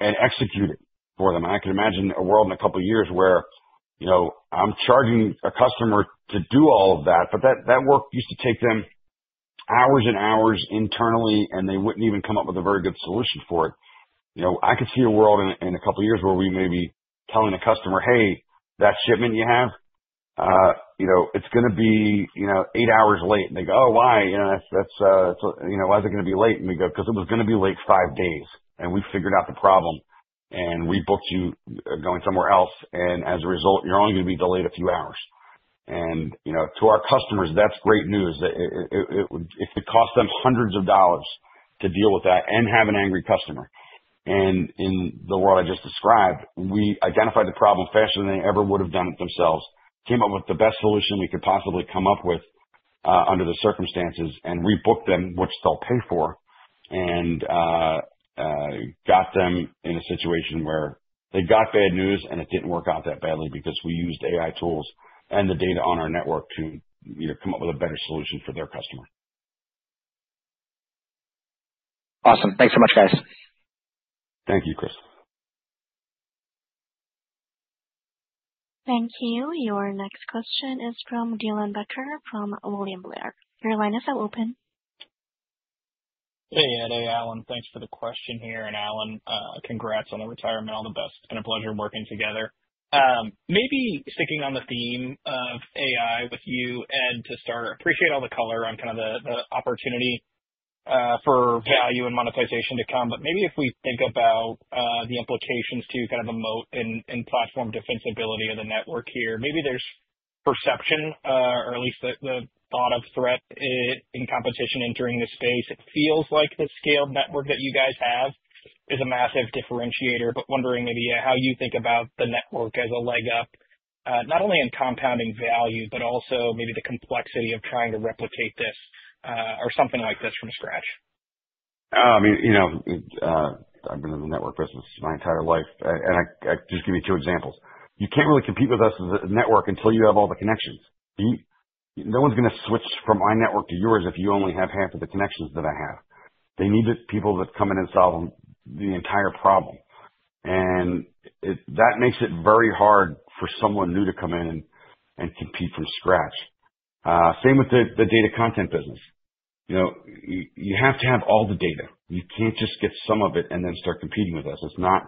execute it for them. And I can imagine a world in a couple of years where I'm charging a customer to do all of that, but that work used to take them hours and hours internally, and they wouldn't even come up with a very good solution for it. I could see a world in a couple of years where we may be telling a customer, "Hey, that shipment you have, it's going to be eight hours late." And they go, "Oh, why? Why is it going to be late?" And we go, "Because it was going to be late five days, and we figured out the problem, and we booked you going somewhere else. And as a result, you're only going to be delayed a few hours." And to our customers, that's great news. It would cost them hundreds of dollars to deal with that and have an angry customer. In the world I just described, we identified the problem faster than they ever would have done it themselves, came up with the best solution we could possibly come up with under the circumstances, and rebooked them, which they'll pay for, and got them in a situation where they got bad news, and it didn't work out that badly because we used AI tools and the data on our network to come up with a better solution for their customer. Awesome. Thanks so much, guys. Thank you, Chris. Thank you. Your next question is from Dylan Becker from William Blair. Your line is now open. Hey, Eddie. Allan, thanks for the question here. And Allan, congrats on the retirement. All the best. It's been a pleasure working together. Maybe sticking on the theme of AI with you, Ed, to start, I appreciate all the color on kind of the opportunity for value and monetization to come. But maybe if we think about the implications to kind of the moat and platform defensibility of the network here, maybe there's perception, or at least the thought of threat in competition entering the space. It feels like the scale network that you guys have is a massive differentiator, but wondering maybe how you think about the network as a leg up, not only in compounding value, but also maybe the complexity of trying to replicate this or something like this from scratch. I mean, I've been in the network business my entire life. And just give you two examples. You can't really compete with us as a network until you have all the connections. No one's going to switch from my network to yours if you only have half of the connections that I have. They need people that come in and solve the entire problem. And that makes it very hard for someone new to come in and compete from scratch. Same with the data content business. You have to have all the data. You can't just get some of it and then start competing with us. It's not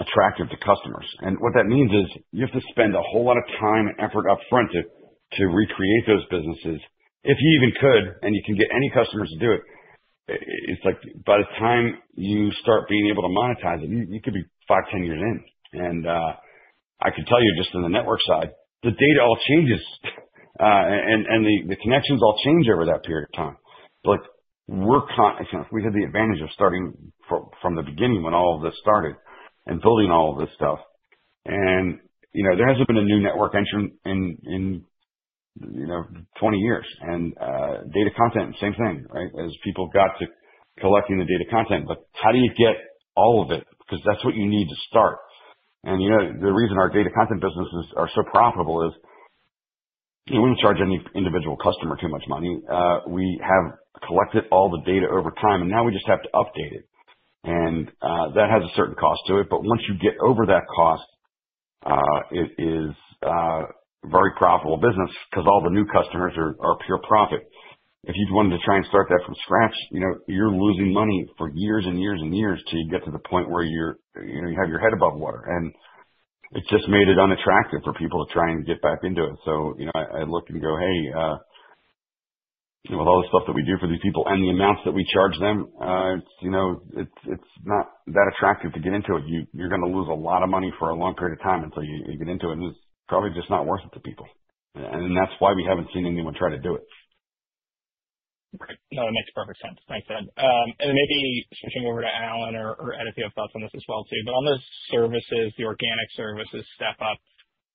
attractive to customers. And what that means is you have to spend a whole lot of time and effort upfront to recreate those businesses. If you even could, and you can get any customers to do it, it's like by the time you start being able to monetize it, you could be five, 10 years in. I can tell you just on the network side, the data all changes, and the connections all change over that period of time. We had the advantage of starting from the beginning when all of this started and building all of this stuff. There hasn't been a new network entering in 20 years. Data content, same thing, right? As people got to collecting the data content. How do you get all of it? Because that's what you need to start. The reason our data content businesses are so profitable is we don't charge any individual customer too much money. We have collected all the data over time, and now we just have to update it. That has a certain cost to it. Once you get over that cost, it is a very profitable business because all the new customers are pure profit. If you wanted to try and start that from scratch, you're losing money for years and years and years to get to the point where you have your head above water. And it just made it unattractive for people to try and get back into it. So I look and go, "Hey, with all the stuff that we do for these people and the amounts that we charge them, it's not that attractive to get into it. You're going to lose a lot of money for a long period of time until you get into it, and it's probably just not worth it to people." And that's why we haven't seen anyone try to do it. That makes perfect sense. Thanks, Ed. And maybe switching over to Allan or Ed, if you have thoughts on this as well too. But on the services, the organic services step up.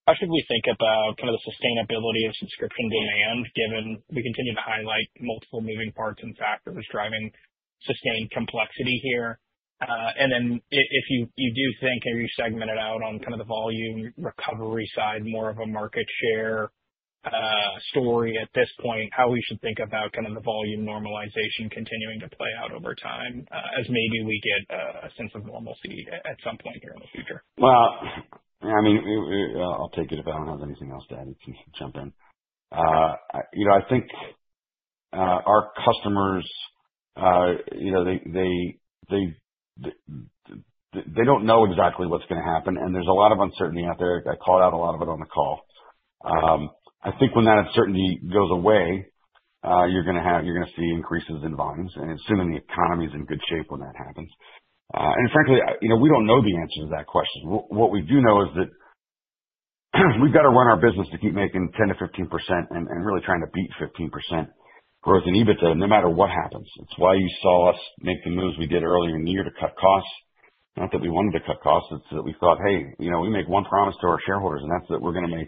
How should we think about kind of the sustainability of subscription demand, given we continue to highlight multiple moving parts and factors driving sustained complexity here? And then if you do think, and you segment it out on kind of the volume recovery side, more of a market share story at this point, how should we think about kind of the volume normalization continuing to play out over time as maybe we get a sense of normalcy at some point here in the future? Well, I mean, I'll take it if I don't have anything else to add, and you can jump in. I think our customers, they don't know exactly what's going to happen, and there's a lot of uncertainty out there. I called out a lot of it on the call. I think when that uncertainty goes away, you're going to see increases in volumes, and assuming the economy is in good shape when that happens. And frankly, we don't know the answer to that question. What we do know is that we've got to run our business to keep making 10%-15% and really trying to beat 15% growth in EBITDA, no matter what happens. It's why you saw us make the moves we did earlier in the year to cut costs. Not that we wanted to cut costs, it's that we thought, "Hey, we make one promise to our shareholders, and that's that we're going to make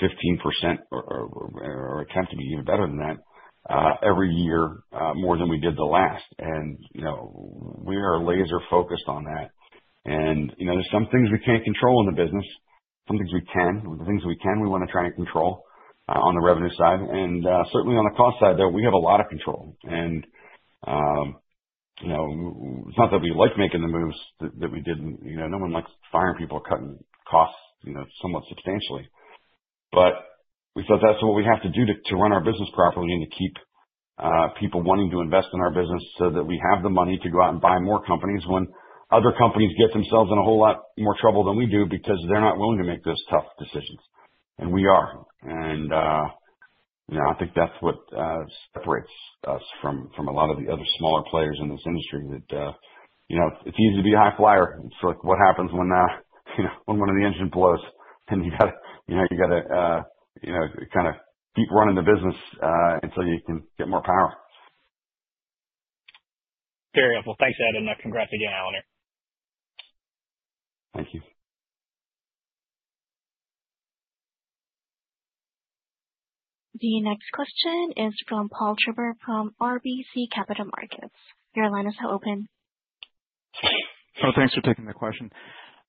15% or attempt to be even better than that every year more than we did the last." And we are laser-focused on that. And there's some things we can't control in the business, some things we can. The things we can, we want to try and control on the revenue side, and certainly on the cost side, though, we have a lot of control. And it's not that we like making the moves that we didn't. No one likes firing people or cutting costs somewhat substantially, but we said that's what we have to do to run our business properly and to keep people wanting to invest in our business so that we have the money to go out and buy more companies when other companies get themselves in a whole lot more trouble than we do because they're not willing to make those tough decisions, and we are. I think that's what separates us from a lot of the other smaller players in this industry that it's easy to be a high flyer. It's like what happens when one of the engines blows, and you got to kind of keep running the business until you can get more power. Very helpful. Thanks, Ed. And congrats again, Allan. Thank you. The next question is from Paul Treiber from RBC Capital Markets. Your line is now open. Oh, thanks for taking the question.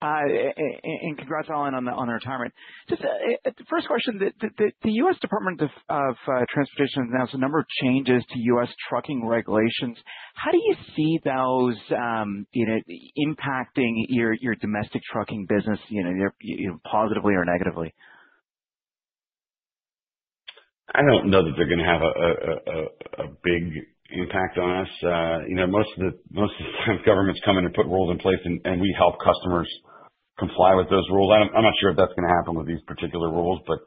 And congrats, Allan, on the retirement. Just the first question, the U.S. Department of Transportation has announced a number of changes to U.S. trucking regulations. How do you see those impacting your domestic trucking business, positively or negatively? I don't know that they're going to have a big impact on us. Most of the time, governments come in and put rules in place, and we help customers comply with those rules. I'm not sure if that's going to happen with these particular rules, but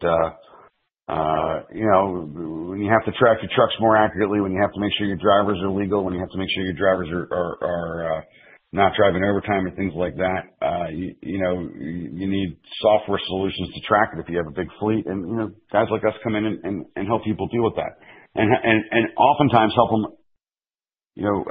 when you have to track your trucks more accurately, when you have to make sure your drivers are legal, when you have to make sure your drivers are not driving overtime and things like that, you need software solutions to track it if you have a big fleet, and guys like us come in and help people deal with that, and oftentimes help them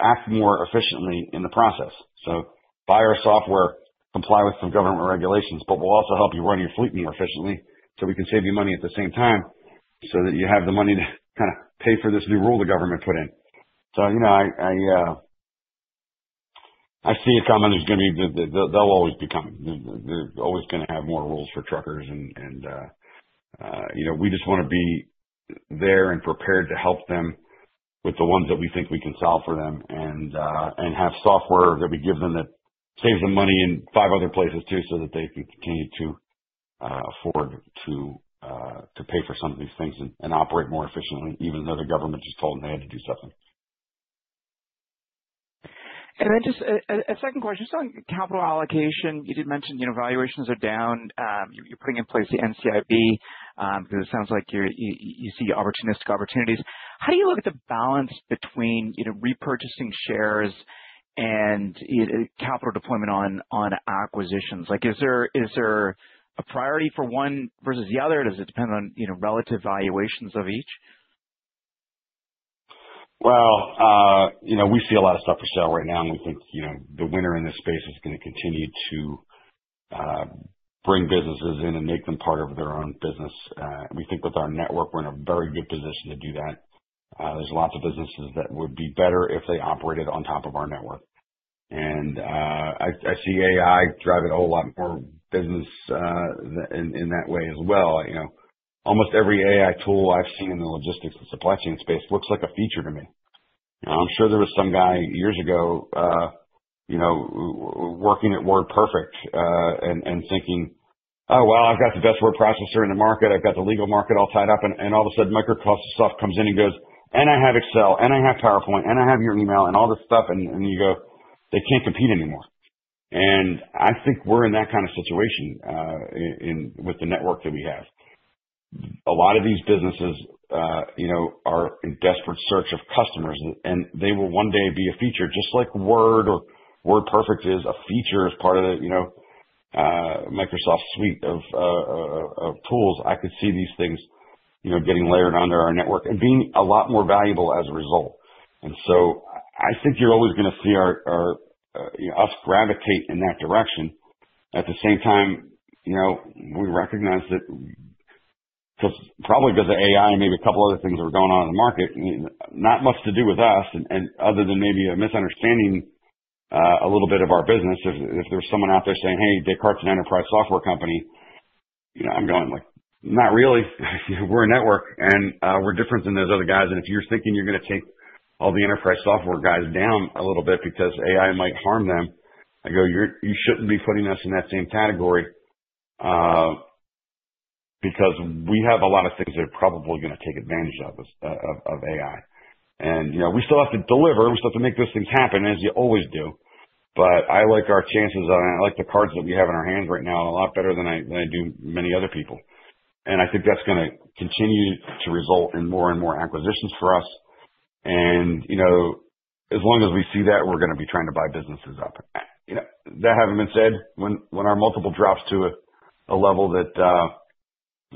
act more efficiently in the process, so buy our software, comply with some government regulations, but we'll also help you run your fleet more efficiently so we can save you money at the same time so that you have the money to kind of pay for this new rule the government put in, so I see comments are going to be. They'll always be coming. They're always going to have more rules for truckers. And we just want to be there and prepared to help them with the ones that we think we can solve for them and have software that we give them that saves them money in five other places too so that they can continue to afford to pay for some of these things and operate more efficiently, even though the government just told them they had to do something. And then just a second question. Just on capital allocation, you did mention valuations are down. You're putting in place the NCIB because it sounds like you see opportunistic opportunities. How do you look at the balance between repurchasing shares and capital deployment on acquisitions? Is there a priority for one versus the other? Does it depend on relative valuations of each? We see a lot of stuff for sale right now, and we think the winner in this space is going to continue to bring businesses in and make them part of their own business. We think with our network, we're in a very good position to do that. There's lots of businesses that would be better if they operated on top of our network, and I see AI driving a whole lot more business in that way as well. Almost every AI tool I've seen in the logistics and supply chain space looks like a feature to me. I'm sure there was some guy years ago working at WordPerfect and thinking, "Oh, well, I've got the best word processor in the market. I've got the legal market all tied up." And all of a sudden, Microsoft stuff comes in and goes, "And I have Excel, and I have PowerPoint, and I have your email, and all this stuff." And you go, "They can't compete anymore." And I think we're in that kind of situation with the network that we have. A lot of these businesses are in desperate search of customers, and they will one day be a feature just like Word or WordPerfect is a feature as part of the Microsoft suite of tools. I could see these things getting layered onto our network and being a lot more valuable as a result. And so I think you're always going to see us gravitate in that direction. At the same time, we recognize that probably because of AI and maybe a couple of other things that are going on in the market, not much to do with us, other than maybe a misunderstanding a little bit of our business. If there's someone out there saying, "Hey, Descartes and Enterprise Software Company," I'm going like, "Not really. We're a network, and we're different than those other guys." And if you're thinking you're going to take all the enterprise software guys down a little bit because AI might harm them, I go, "You shouldn't be putting us in that same category because we have a lot of things that are probably going to take advantage of AI." And we still have to deliver. We still have to make those things happen, as you always do. But I like our chances, and I like the cards that we have in our hands right now a lot better than I do many other people. And I think that's going to continue to result in more and more acquisitions for us. And as long as we see that, we're going to be trying to buy businesses up. That having been said, when our multiple drops to a level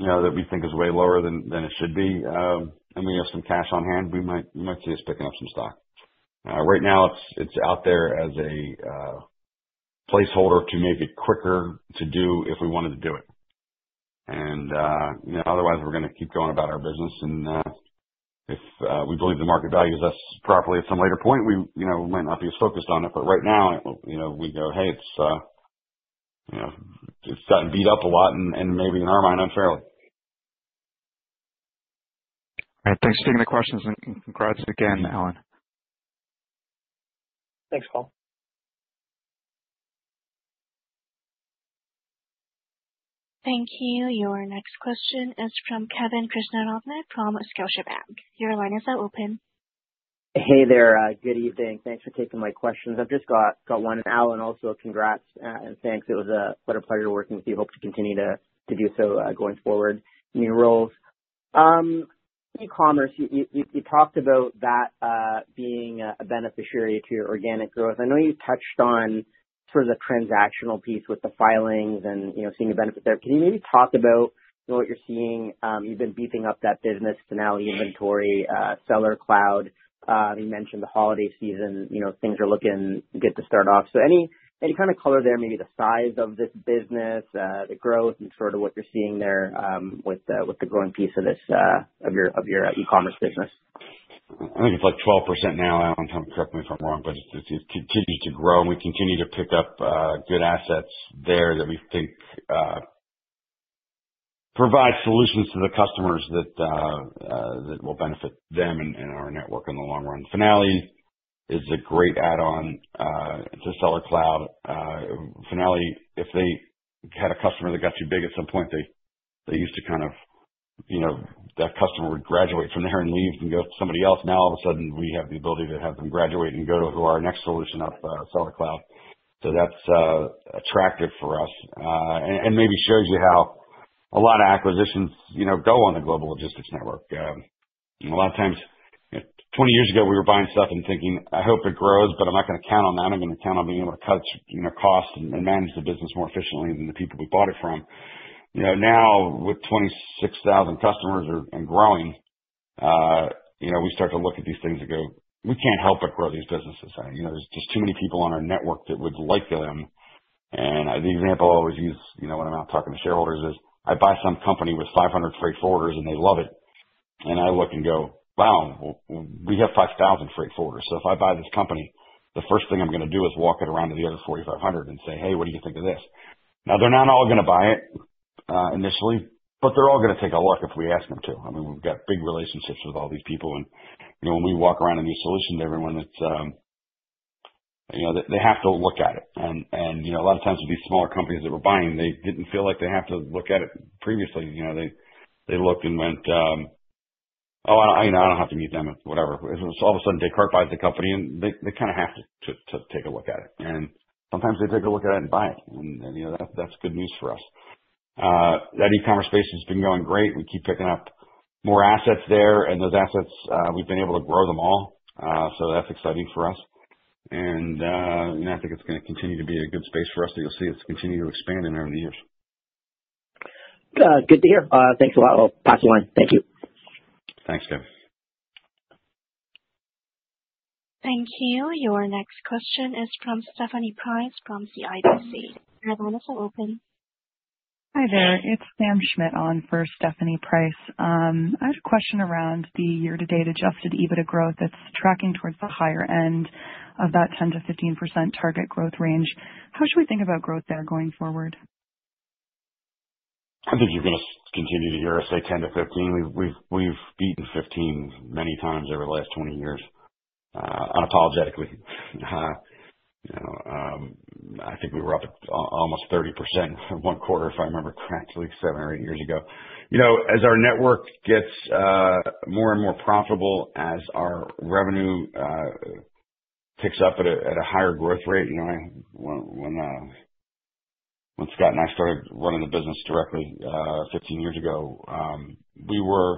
that we think is way lower than it should be and we have some cash on hand, we might see us picking up some stock. Right now, it's out there as a placeholder to make it quicker to do if we wanted to do it. And otherwise, we're going to keep going about our business. And if we believe the market values us properly at some later point, we might not be as focused on it. But right now, we go, "Hey, it's gotten beat up a lot," and maybe in our mind, unfairly. All right. Thanks for taking the questions. And congrats again, Allan. Thanks, Paul. Thank you. Your next question is from Kevin Krishnaratne from Scotiabank. Your line is now open. Hey there. Good evening. Thanks for taking my questions. I've just got one. Allan, also, congrats and thanks. It was a pleasure working with you. Hope to continue to do so going forward in your roles. E-commerce, you talked about that being a beneficiary to your organic growth. I know you touched on sort of the transactional piece with the filings and seeing the benefit there. Can you maybe talk about what you're seeing? You've been beefing up that business, Finale Inventory, Sellercloud. You mentioned the holiday season. Things are looking good to start off. Any kind of color there, maybe the size of this business, the growth, and sort of what you're seeing there with the growing piece of your e-commerce business? I think it's like 12% now, Allan. Don't correct me if I'm wrong, but it continues to grow. We continue to pick up good assets there that we think provide solutions to the customers that will benefit them and our network in the long run. Finale is a great add-on to Sellercloud. Finale, if they had a customer that got too big at some point, they used to kind of that customer would graduate from there and leave and go to somebody else. Now, all of a sudden, we have the ability to have them graduate and go to our next solution up, Sellercloud. That's attractive for us. And maybe shows you how a lot of acquisitions go on the Global Logistics Network. A lot of times, 20 years ago, we were buying stuff and thinking, "I hope it grows, but I'm not going to count on that. I'm going to count on being able to cut costs and manage the business more efficiently than the people we bought it from." Now, with 26,000 customers and growing, we start to look at these things and go, "We can't help but grow these businesses. There's just too many people on our network that would like them." And the example I always use when I'm out talking to shareholders is I buy some company with 500 freight forwarders, and they love it. And I look and go, "Wow, we have 5,000 freight forwarders. So if I buy this company, the first thing I'm going to do is walk it around to the other 4,500 and say, "Hey, what do you think of this?" Now, they're not all going to buy it initially, but they're all going to take a look if we ask them to. I mean, we've got big relationships with all these people. And when we walk around a new solution to everyone, they have to look at it. And a lot of times, with these smaller companies that were buying, they didn't feel like they had to look at it previously. They looked and went, "Oh, I don't have to meet them," whatever. So all of a sudden, Descartes buys the company, and they kind of have to take a look at it. And sometimes, they take a look at it and buy it. And that's good news for us. That e-commerce space has been going great. We keep picking up more assets there. And those assets, we've been able to grow them all. So that's exciting for us. And I think it's going to continue to be a good space for us, and you'll see it's continued to expand in over the years. Good to hear. Thanks a lot. I'll pass the line. Thank you. Thanks, Kevin. Thank you. Your next question is from Stephanie Price from CIBC. Your line is now open. Hi there. It's Sam Schmidt on for Stephanie Price. I have a question around the year-to-date adjusted EBITDA growth. It's tracking towards the higher end of that 10%-15% target growth range. How should we think about growth there going forward? I think you're going to continue to hear us say 10%-15%. We've beaten 15% many times over the last 20 years. Unapologetically. I think we were up almost 30% one quarter, if I remember correctly, seven or eight years ago. As our network gets more and more profitable, as our revenue picks up at a higher growth rate, when Scott and I started running the business directly 15 years ago, we were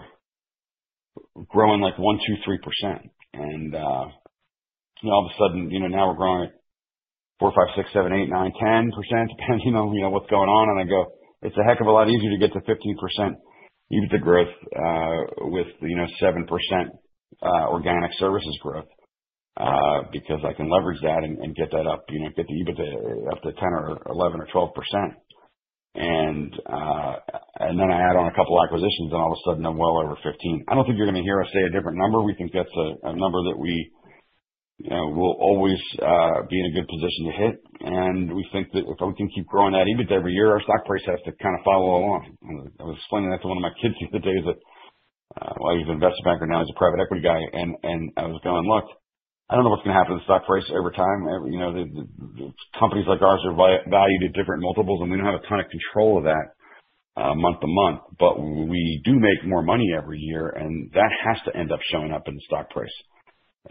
growing like one, two, three percent. And all of a sudden, now we're growing at four, five, six, seven, eight, nine, 10 percent, depending on what's going on, and I go, "It's a heck of a lot easier to get to 15% EBITDA growth with 7% organic services growth because I can leverage that and get that up, get the EBITDA up to 10% or 11% or 12%. And then I add on a couple of acquisitions, and all of a sudden, I'm well over 15. I don't think you're going to hear us say a different number. We think that's a number that we will always be in a good position to hit. And we think that if we can keep growing that EBITDA every year, our stock price has to kind of follow along. I was explaining that to one of my kids the other day while he was an investment banker and now he's a private equity guy. And I was going, "Look, I don't know what's going to happen to the stock price over time. Companies like ours are valued at different multiples, and we don't have a ton of control of that month to month. But we do make more money every year, and that has to end up showing up in the stock price."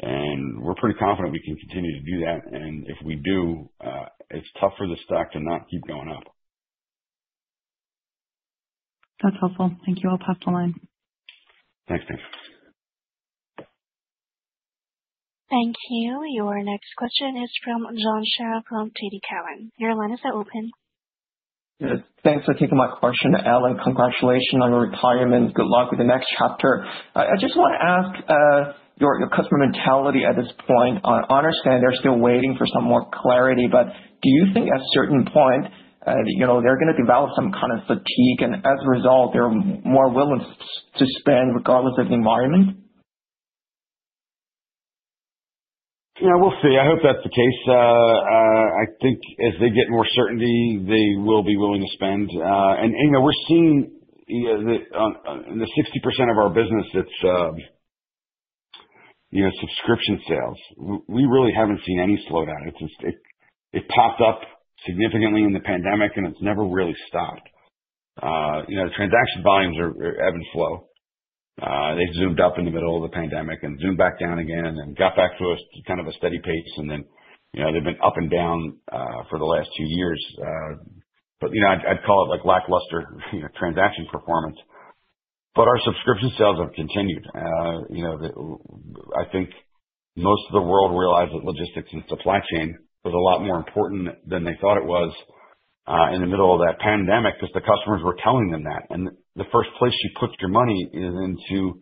And we're pretty confident we can continue to do that. And if we do, it's tough for the stock to not keep going up. That's helpful. Thank you. I'll pass the line. Thanks, Stephanie. Thank you. Your next question is from John Kernan from TD Cowen. Your line is now open. Thanks for taking my question, Allan. Congratulations on your retirement. Good luck with the next chapter. I just want to ask your customer mentality at this point. I understand they're still waiting for some more clarity, but do you think at a certain point they're going to develop some kind of fatigue and, as a result, they're more willing to spend regardless of the environment? Yeah, we'll see. I hope that's the case. I think as they get more certainty, they will be willing to spend. And we're seeing in the 60% of our business, it's subscription sales. We really haven't seen any slowdown. It popped up significantly in the pandemic, and it's never really stopped. The transaction volumes are ebb and flow. They zoomed up in the middle of the pandemic and zoomed back down again and got back to kind of a steady pace. And then they've been up and down for the last two years. But I'd call it lackluster transaction performance. But our subscription sales have continued. I think most of the world realized that logistics and supply chain was a lot more important than they thought it was in the middle of that pandemic because the customers were telling them that. And the first place you put your money is into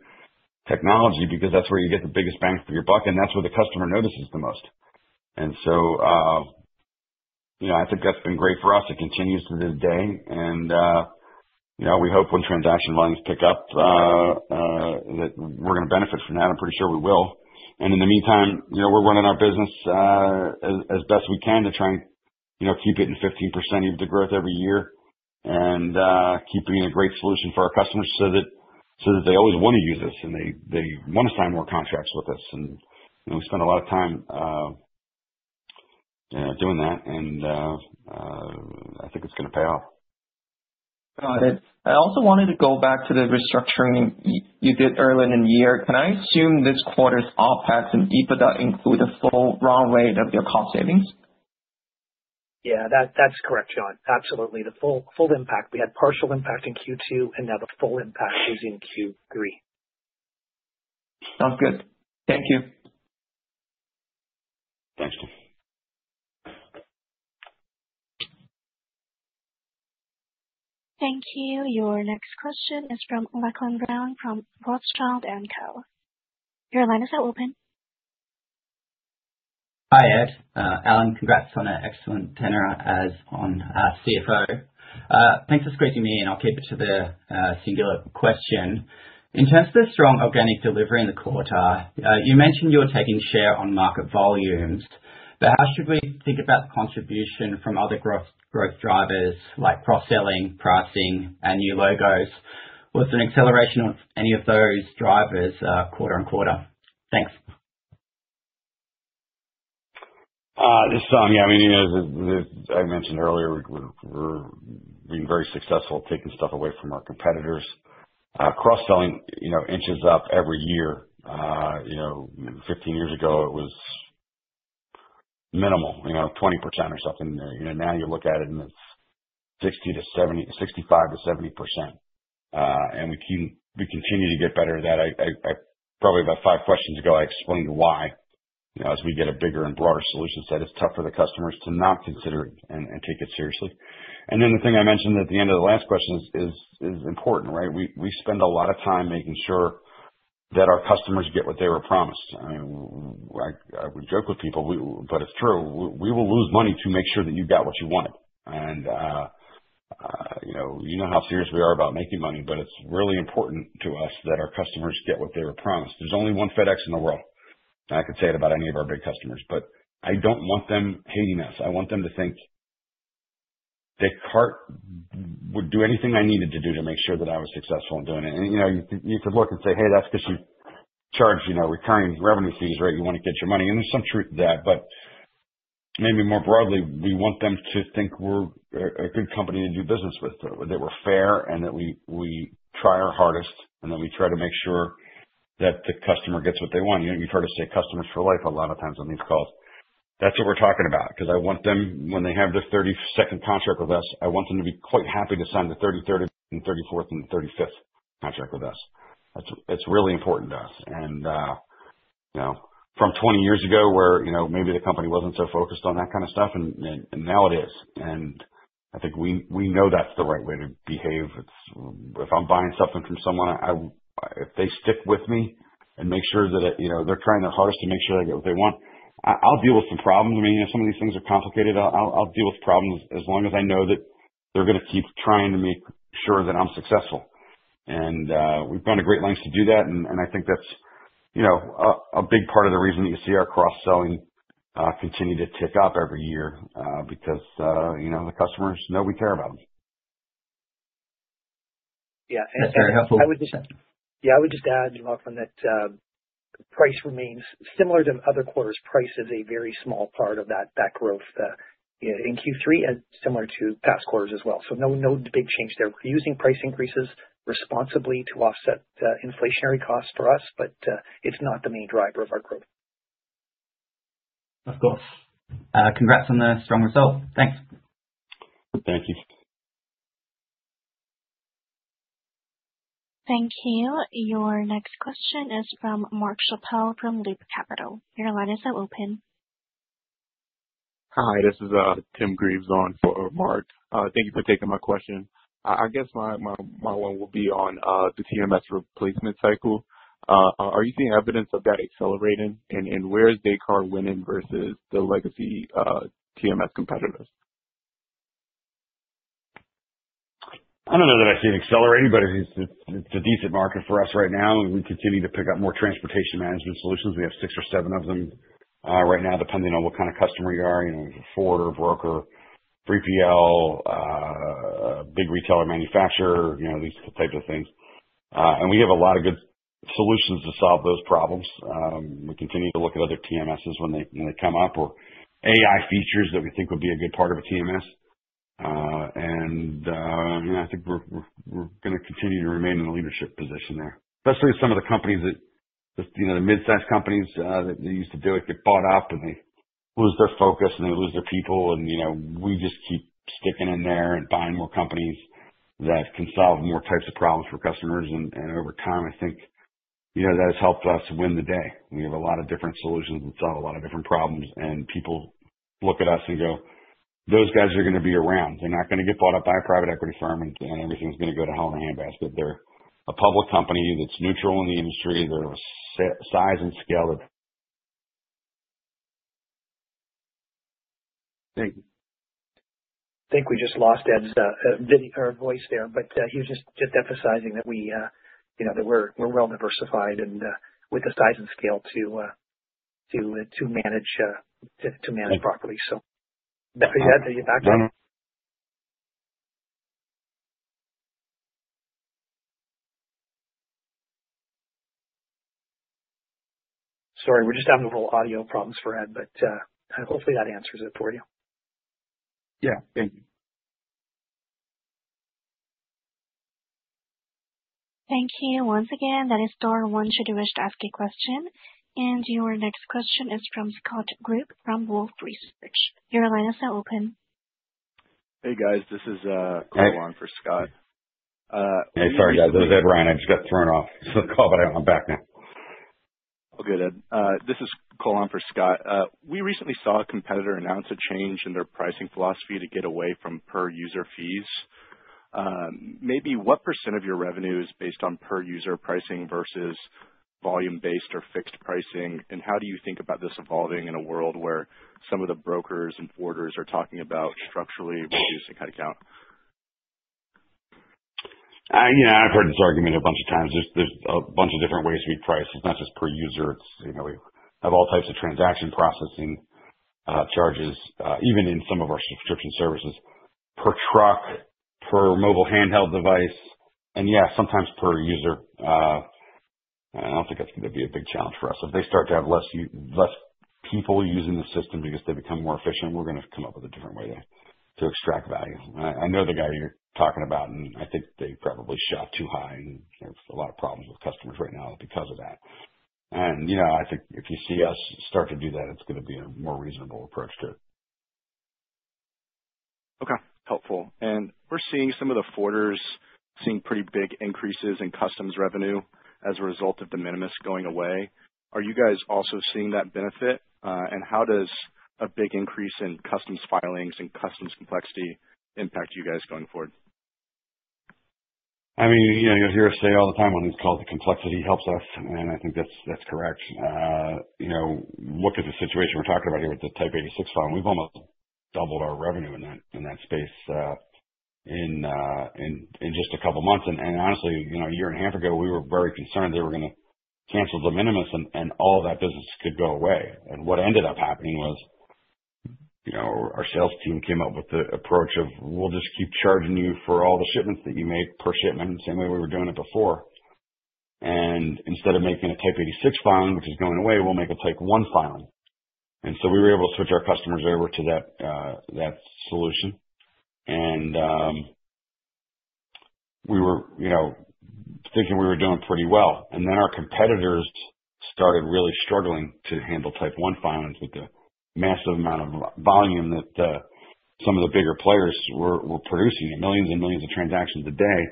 technology because that's where you get the biggest bang for your buck, and that's where the customer notices the most. And so I think that's been great for us. It continues to this day. And we hope when transaction volumes pick up that we're going to benefit from that. I'm pretty sure we will. In the meantime, we're running our business as best we can to try and keep it in 15% EBITDA growth every year and keeping it a great solution for our customers so that they always want to use us, and they want to sign more contracts with us. And we spend a lot of time doing that, and I think it's going to pay off. Got it. I also wanted to go back to the restructuring you did earlier in the year. Can I assume this quarter's OpEx and EBITDA include a full run rate of your cost savings? Yeah, that's correct, John. Absolutely. The full impact. We had partial impact in Q2, and now the full impact is in Q3. Sounds good. Thank you. Thanks, John. Thank you. Your next question is from Lachlan Brown from Rothschild & Co. Your line is now open. Hi, Ed. Allan, congrats on an excellent tenure as CFO. Thanks for squeezing me in. I'll keep it to the singular question. In terms of the strong organic delivery in the quarter, you mentioned you're taking share on market volumes. But how should we think about the contribution from other growth drivers like cross-selling, pricing, and new logos? Was there an acceleration of any of those drivers quarter on quarter? Thanks. This time, yeah, I mean, as I mentioned earlier, we've been very successful taking stuff away from our competitors. Cross-selling inches up every year. 15 years ago, it was minimal, 20% or something. Now you look at it, and it's 60%-70%, 65%-70%. And we continue to get better at that. Probably about five questions ago, I explained why as we get a bigger and broader solution set, it's tough for the customers to not consider it and take it seriously, and then the thing I mentioned at the end of the last question is important, right? We spend a lot of time making sure that our customers get what they were promised. I mean, I would joke with people, but it's true. We will lose money to make sure that you got what you wanted, and you know how serious we are about making money, but it's really important to us that our customers get what they were promised. There's only one FedEx in the world. I could say it about any of our big customers, but I don't want them hating us. I want them to think Descartes would do anything I needed to do to make sure that I was successful in doing it. And you could look and say, "Hey, that's because you charge recurring revenue fees, right? You want to get your money." And there's some truth to that. But maybe more broadly, we want them to think we're a good company to do business with, that we're fair, and that we try our hardest, and that we try to make sure that the customer gets what they want. You've heard us say customers for life a lot of times on these calls. That's what we're talking about. Because I want them, when they have their 32nd contract with us, I want them to be quite happy to sign the 33rd, 34th, and 35th contract with us. It's really important to us. From 20 years ago where maybe the company wasn't so focused on that kind of stuff, and now it is. I think we know that's the right way to behave. If I'm buying something from someone, if they stick with me and make sure that they're trying their hardest to make sure they get what they want, I'll deal with the problems. I mean, some of these things are complicated. I'll deal with problems as long as I know that they're going to keep trying to make sure that I'm successful. We've gone to great lengths to do that. I think that's a big part of the reason that you see our cross-selling continue to tick up every year because the customers know we care about them. Yeah. That's very helpful. Yeah, I would just add, Lachlan, that price remains similar to other quarters. Price is a very small part of that growth in Q3 and similar to past quarters as well. So no big change there. We're using price increases responsibly to offset inflationary costs for us, but it's not the main driver of our growth. Of course. Congrats on the strong result. Thanks. Thank you. Thank you. Your next question is from Mark Schappel from Loop Capital. Your line is now open. Hi, this is Tim Greaves on for Mark. Thank you for taking my question. I guess my one will be on the TMS replacement cycle. Are you seeing evidence of that accelerating? And where is Descartes winning versus the legacy TMS competitors? I don't know that I see it accelerating, but it's a decent market for us right now. We continue to pick up more transportation management solutions. We have six or seven of them right now, depending on what kind of customer you are. Forwarder, broker, 3PL, big retailer manufacturer, these types of things. And we have a lot of good solutions to solve those problems. We continue to look at other TMSs when they come up or AI features that we think would be a good part of a TMS. And I think we're going to continue to remain in the leadership position there, especially with some of the companies that the mid-sized companies that used to do it get bought up, and they lose their focus, and they lose their people. And we just keep sticking in there and buying more companies that can solve more types of problems for customers. And over time, I think that has helped us win the day. We have a lot of different solutions that solve a lot of different problems. And people look at us and go, "Those guys are going to be around. They're not going to get bought up by a private equity firm, and everything's going to go to hell in a handbasket." They're a public company that's neutral in the industry. They're a size and scale of. Thank you. I think we just lost Ed's voice there, but he was just emphasizing that we're well diversified and with the size and scale to manage properly. So yeah, are you back? Sorry, we're just having a little audio problems for Ed, but hopefully that answers it for you. Yeah. Thank you. Thank you once again. That is Darwin should you wish to ask a question. And your next question is from Scott Group from Wolfe Research. Your line is now open. Hey, guys. This is Colin for Scott. Hey, sorry, guys. This is Ed Ryan. I just got thrown off the call, but I'm back now. All good, Ed. This is Colin for Scott. We recently saw a competitor announce a change in their pricing philosophy to get away from per-user fees. Maybe what % of your revenue is based on per-user pricing versus volume-based or fixed pricing? And how do you think about this evolving in a world where some of the brokers and forwarders are talking about structurally reducing headcount? Yeah, I've heard this argument a bunch of times. There's a bunch of different ways we price. It's not just per user. We have all types of transaction processing charges, even in some of our subscription services, per truck, per mobile handheld device, and yeah, sometimes per user. I don't think that's going to be a big challenge for us. If they start to have less people using the system because they become more efficient, we're going to come up with a different way to extract value. I know the guy you're talking about, and I think they probably shot too high, and they have a lot of problems with customers right now because of that. And I think if you see us start to do that, it's going to be a more reasonable approach to it. Okay. Helpful. And we're seeing some of the forwarders seeing pretty big increases in customs revenue as a result of the de minimis going away. Are you guys also seeing that benefit? And how does a big increase in customs filings and customs complexity impact you guys going forward? I mean, you'll hear us say all the time on these calls that complexity helps us, and I think that's correct. Look at the situation we're talking about here with the Type 86 filing. We've almost doubled our revenue in that space in just a couple of months. And honestly, a year and a half ago, we were very concerned they were going to cancel the de minimis, and all of that business could go away. And what ended up happening was our sales team came up with the approach of, "We'll just keep charging you for all the shipments that you make per shipment," same way we were doing it before. And instead of making a Type 86 filing, which is going away, we'll make a Type 1 filing. And so we were able to switch our customers over to that solution. And we were thinking we were doing pretty well. And then our competitors started really struggling to handle Type 1 filings with the massive amount of volume that some of the bigger players were producing, millions and millions of transactions a day.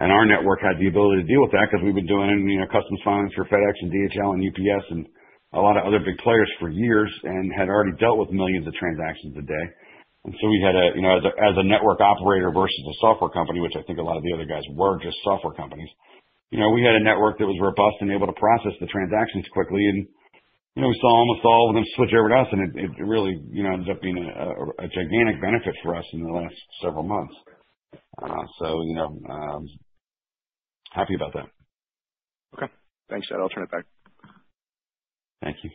And our network had the ability to deal with that because we've been doing customs filings for FedEx and DHL and UPS and a lot of other big players for years and had already dealt with millions of transactions a day. And so we had, as a network operator versus a software company, which I think a lot of the other guys were just software companies, we had a network that was robust and able to process the transactions quickly. And we saw almost all of them switch over to us, and it really ended up being a gigantic benefit for us in the last several months. So happy about that. Okay. Thanks, Ed. I'll turn it back. Thank you.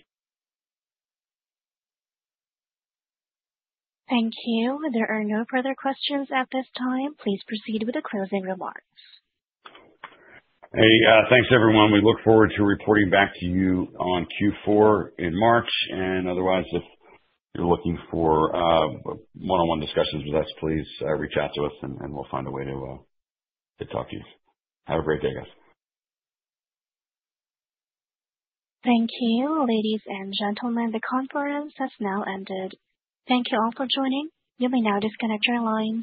Thank you. There are no further questions at this time. Please proceed with the closing remarks. Hey, thanks, everyone. We look forward to reporting back to you on Q4 in March. And otherwise, if you're looking for one-on-one discussions with us, please reach out to us, and we'll find a way to talk to you. Have a great day, guys. Thank you. Ladies and gentlemen, the conference has now ended. Thank you all for joining. You may now disconnect your lines.